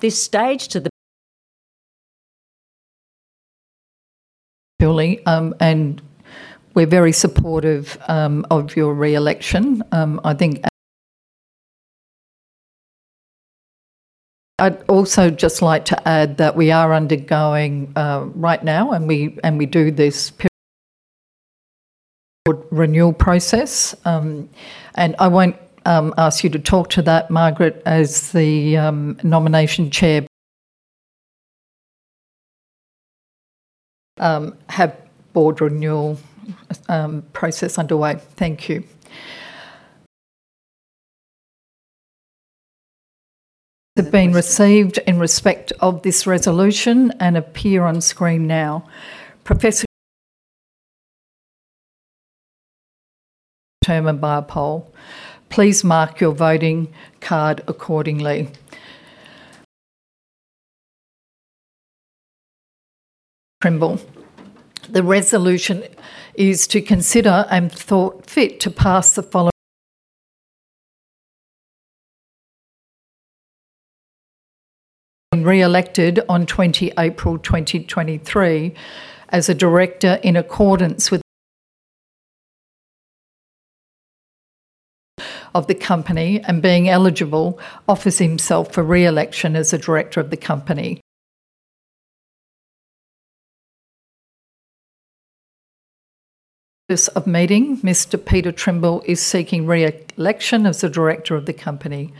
this stage. Josie King, and we're very supportive of your re-election. I'd also just like to add that we are undergoing right now, and we do this renewal process. I won't ask you to talk to that, Margaret, as the nomination chair. Have board renewal process underway. Thank you. Have been received in respect of this resolution and appear on screen now. Determined by a poll. Please mark your voting card accordingly. Peter Trimble. The resolution is to consider and thought fit to pass the and re-elected on 20 April 2023 as a director of the company. Being eligible, offers himself for re-election as a director of the company. This of meeting, Mr. Peter Trimble is seeking re-election as a director of the company.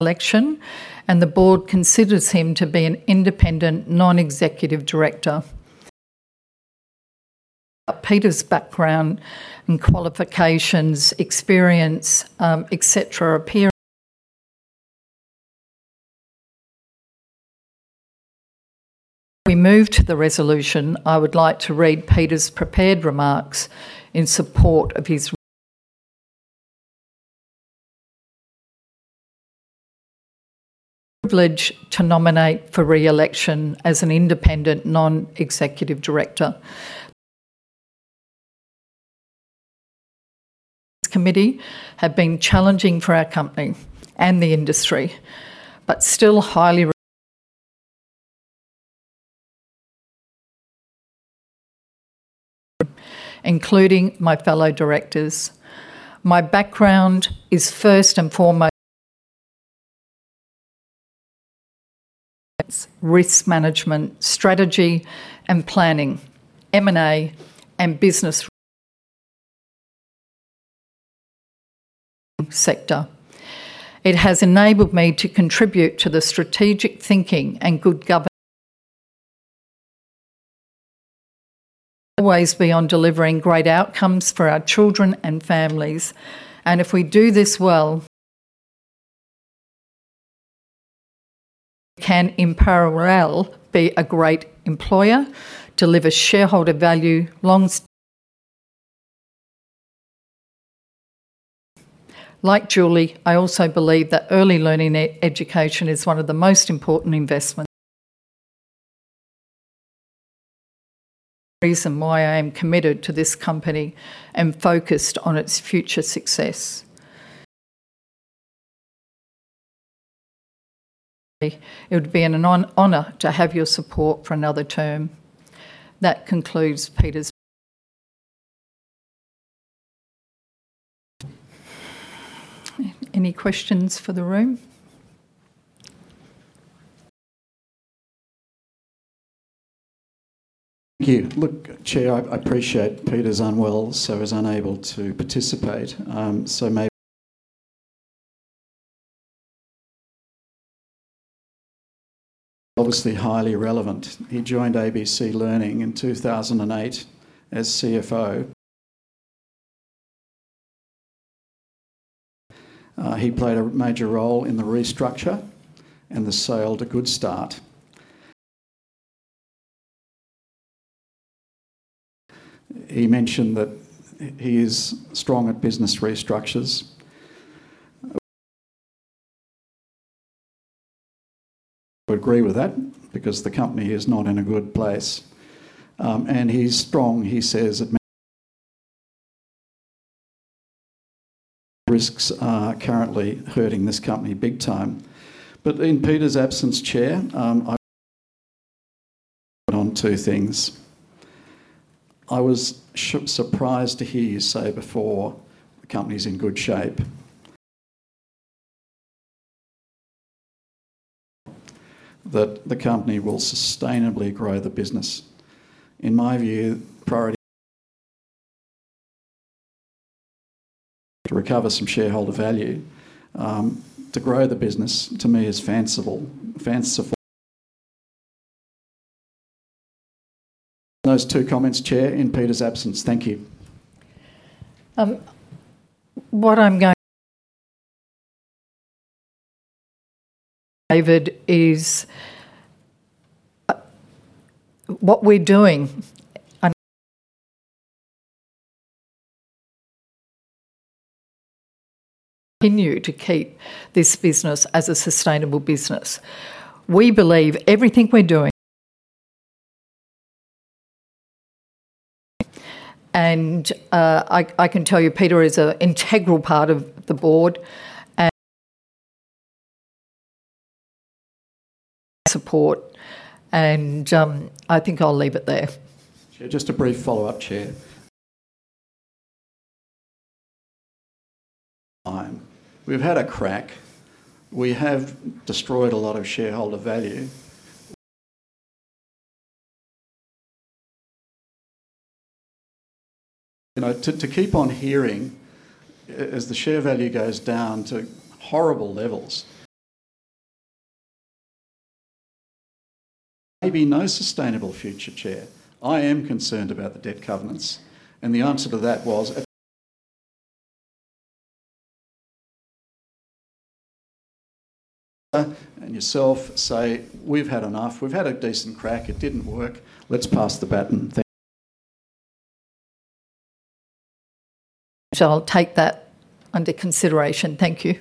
Election, the Board considers him to be an independent non-executive director. Peter's background and qualifications, experience, et cetera, Before we move to the resolution, I would like to read Peter's prepared remarks in support of his privilege to nominate for re-election as an independent non-executive director. This committee have been challenging for our company and the industry, but still highly including my fellow directors. My background is first and foremost risk management, strategy and planning, M&A, and business sector. It has enabled me to contribute to the strategic thinking and good always be on delivering great outcomes for our children and families. If we do this well, can in parallel be a great employer, deliver shareholder value long Like Julie, I also believe that early learning education is one of the most important investments. Reason why I am committed to this company and focused on its future success. It would be an honor to have your support for another term. That concludes. Any questions for the room? Thank you. Look, Chair, I appreciate Peter's unwell, so is unable to participate. Obviously highly relevant. He joined ABC Learning in 2008 as CFO. He played a major role in the restructure and the sale to Goodstart. He mentioned that he is strong at business restructures. I agree with that because the company is not in a good place. He's strong, he says. Risks are currently hurting this company big time. In Peter's absence, Chair, I'd like to comment on two things. I was surprised to hear you say before the company is in good shape. That the company will sustainably grow the business. In my view, priority is to recover some shareholder value. To grow the business to me is fanciful. Those two comments, Chair, in Peter's absence. Thank you. David, what we're doing, continue to keep this business as a sustainable business. We believe everything we're doing. I can tell you Peter is a integral part of the board, support. I think I'll leave it there. Just a brief follow-up, Chair. We've had a crack. We have destroyed a lot of shareholder value. You know, to keep on hearing as the share value goes down to horrible levels. Maybe no sustainable future, Chair. I am concerned about the debt covenants, and the answer to that and yourself say, "We've had enough. We've had a decent crack. It didn't work. Let's pass the baton. I'll take that under consideration. Thank you.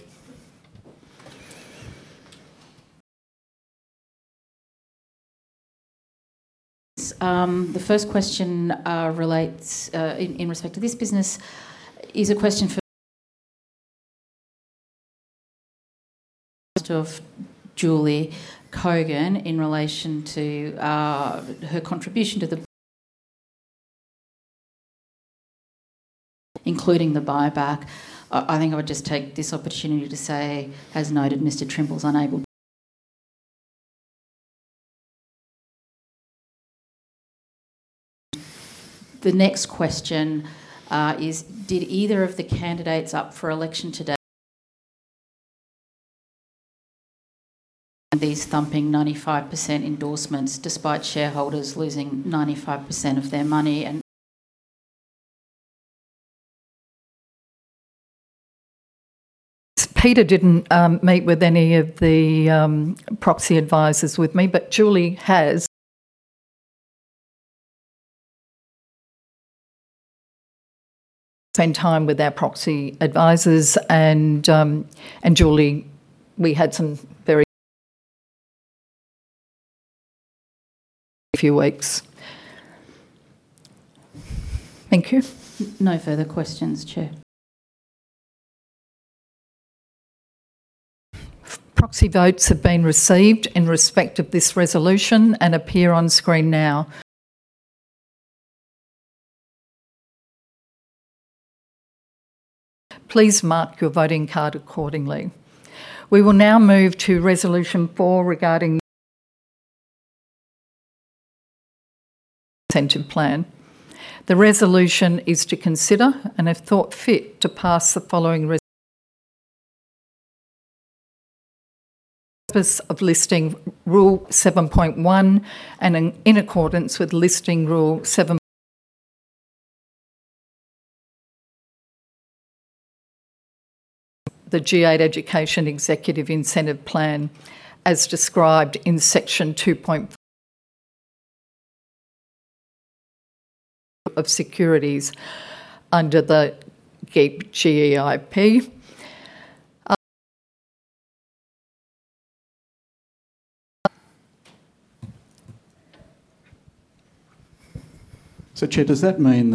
The first question, in respect to this business, is a question of Julie Cogin in relation to her contribution to the including the buyback. I think I would just take this opportunity to say, as noted, Mr. Trimble's unable. The next question is did either of the candidates up for election today, thumping 95% endorsements despite shareholders losing 95% of their money. Peter didn't meet with any of the proxy advisors with me, but Julie has. Spend time with our proxy advisors. Julie, we had some few weeks. Thank you. No further questions, Chair. Proxy votes have been received in respect of this resolution and appear on screen now. Please mark your voting card accordingly. We will now move to Resolution Four regarding incentive plan. The resolution is to consider and if thought fit, to pass the following purpose of listing rule 7.1 and in accordance with listing rule 7.2 The G8 Education Executive Incentive Plan as described in section 2.4 of securities under the GEIP, G-E-I-P. Chair, does that mean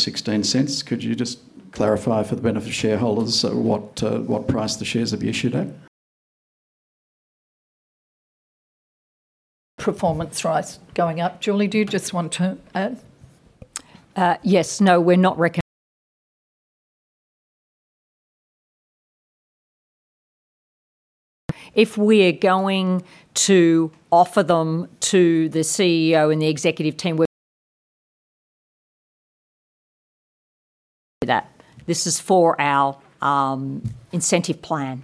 0.16. Could you just clarify for the benefit of shareholders what price the shares have been issued at? Performance rights going up. Julie, do you just want to add? Yes. No, we're not. If we're going to offer them to the CEO and the executive team, this is for our incentive plan.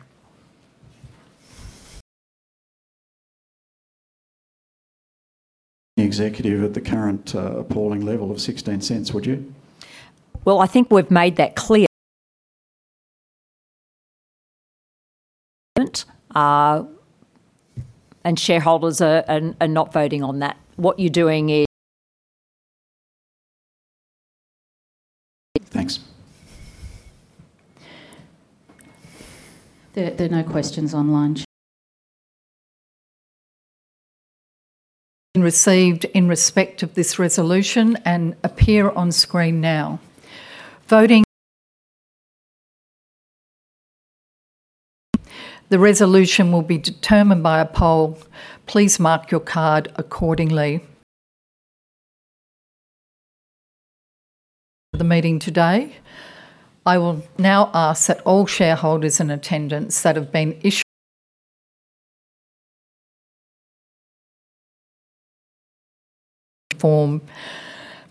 The executive at the current, appalling level of 0.16, would you? Well, I think we've made that clear. Shareholders are not voting on that. What you're doing is Thanks. There are no questions online, Chair, Received in respect of this resolution and appear on screen now. Voting. The resolution will be determined by a poll. Please mark your card accordingly of the meeting today. I will now ask that all shareholders in attendance that have been issued form,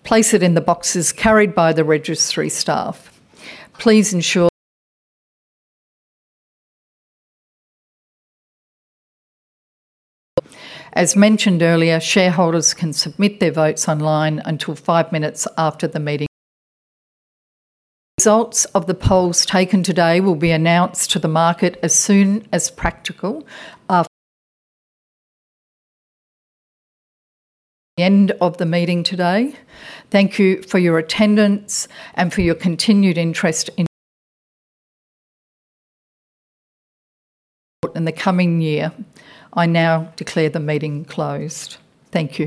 place it in the boxes carried by the registry staff. As mentioned earlier, shareholders can submit their votes online until five minutes after the meeting. Results of the polls taken today will be announced to the market as soon as practical, the end of the meeting today. Thank you for your attendance and for your continued interest in the coming year. I now declare the meeting closed. Thank you.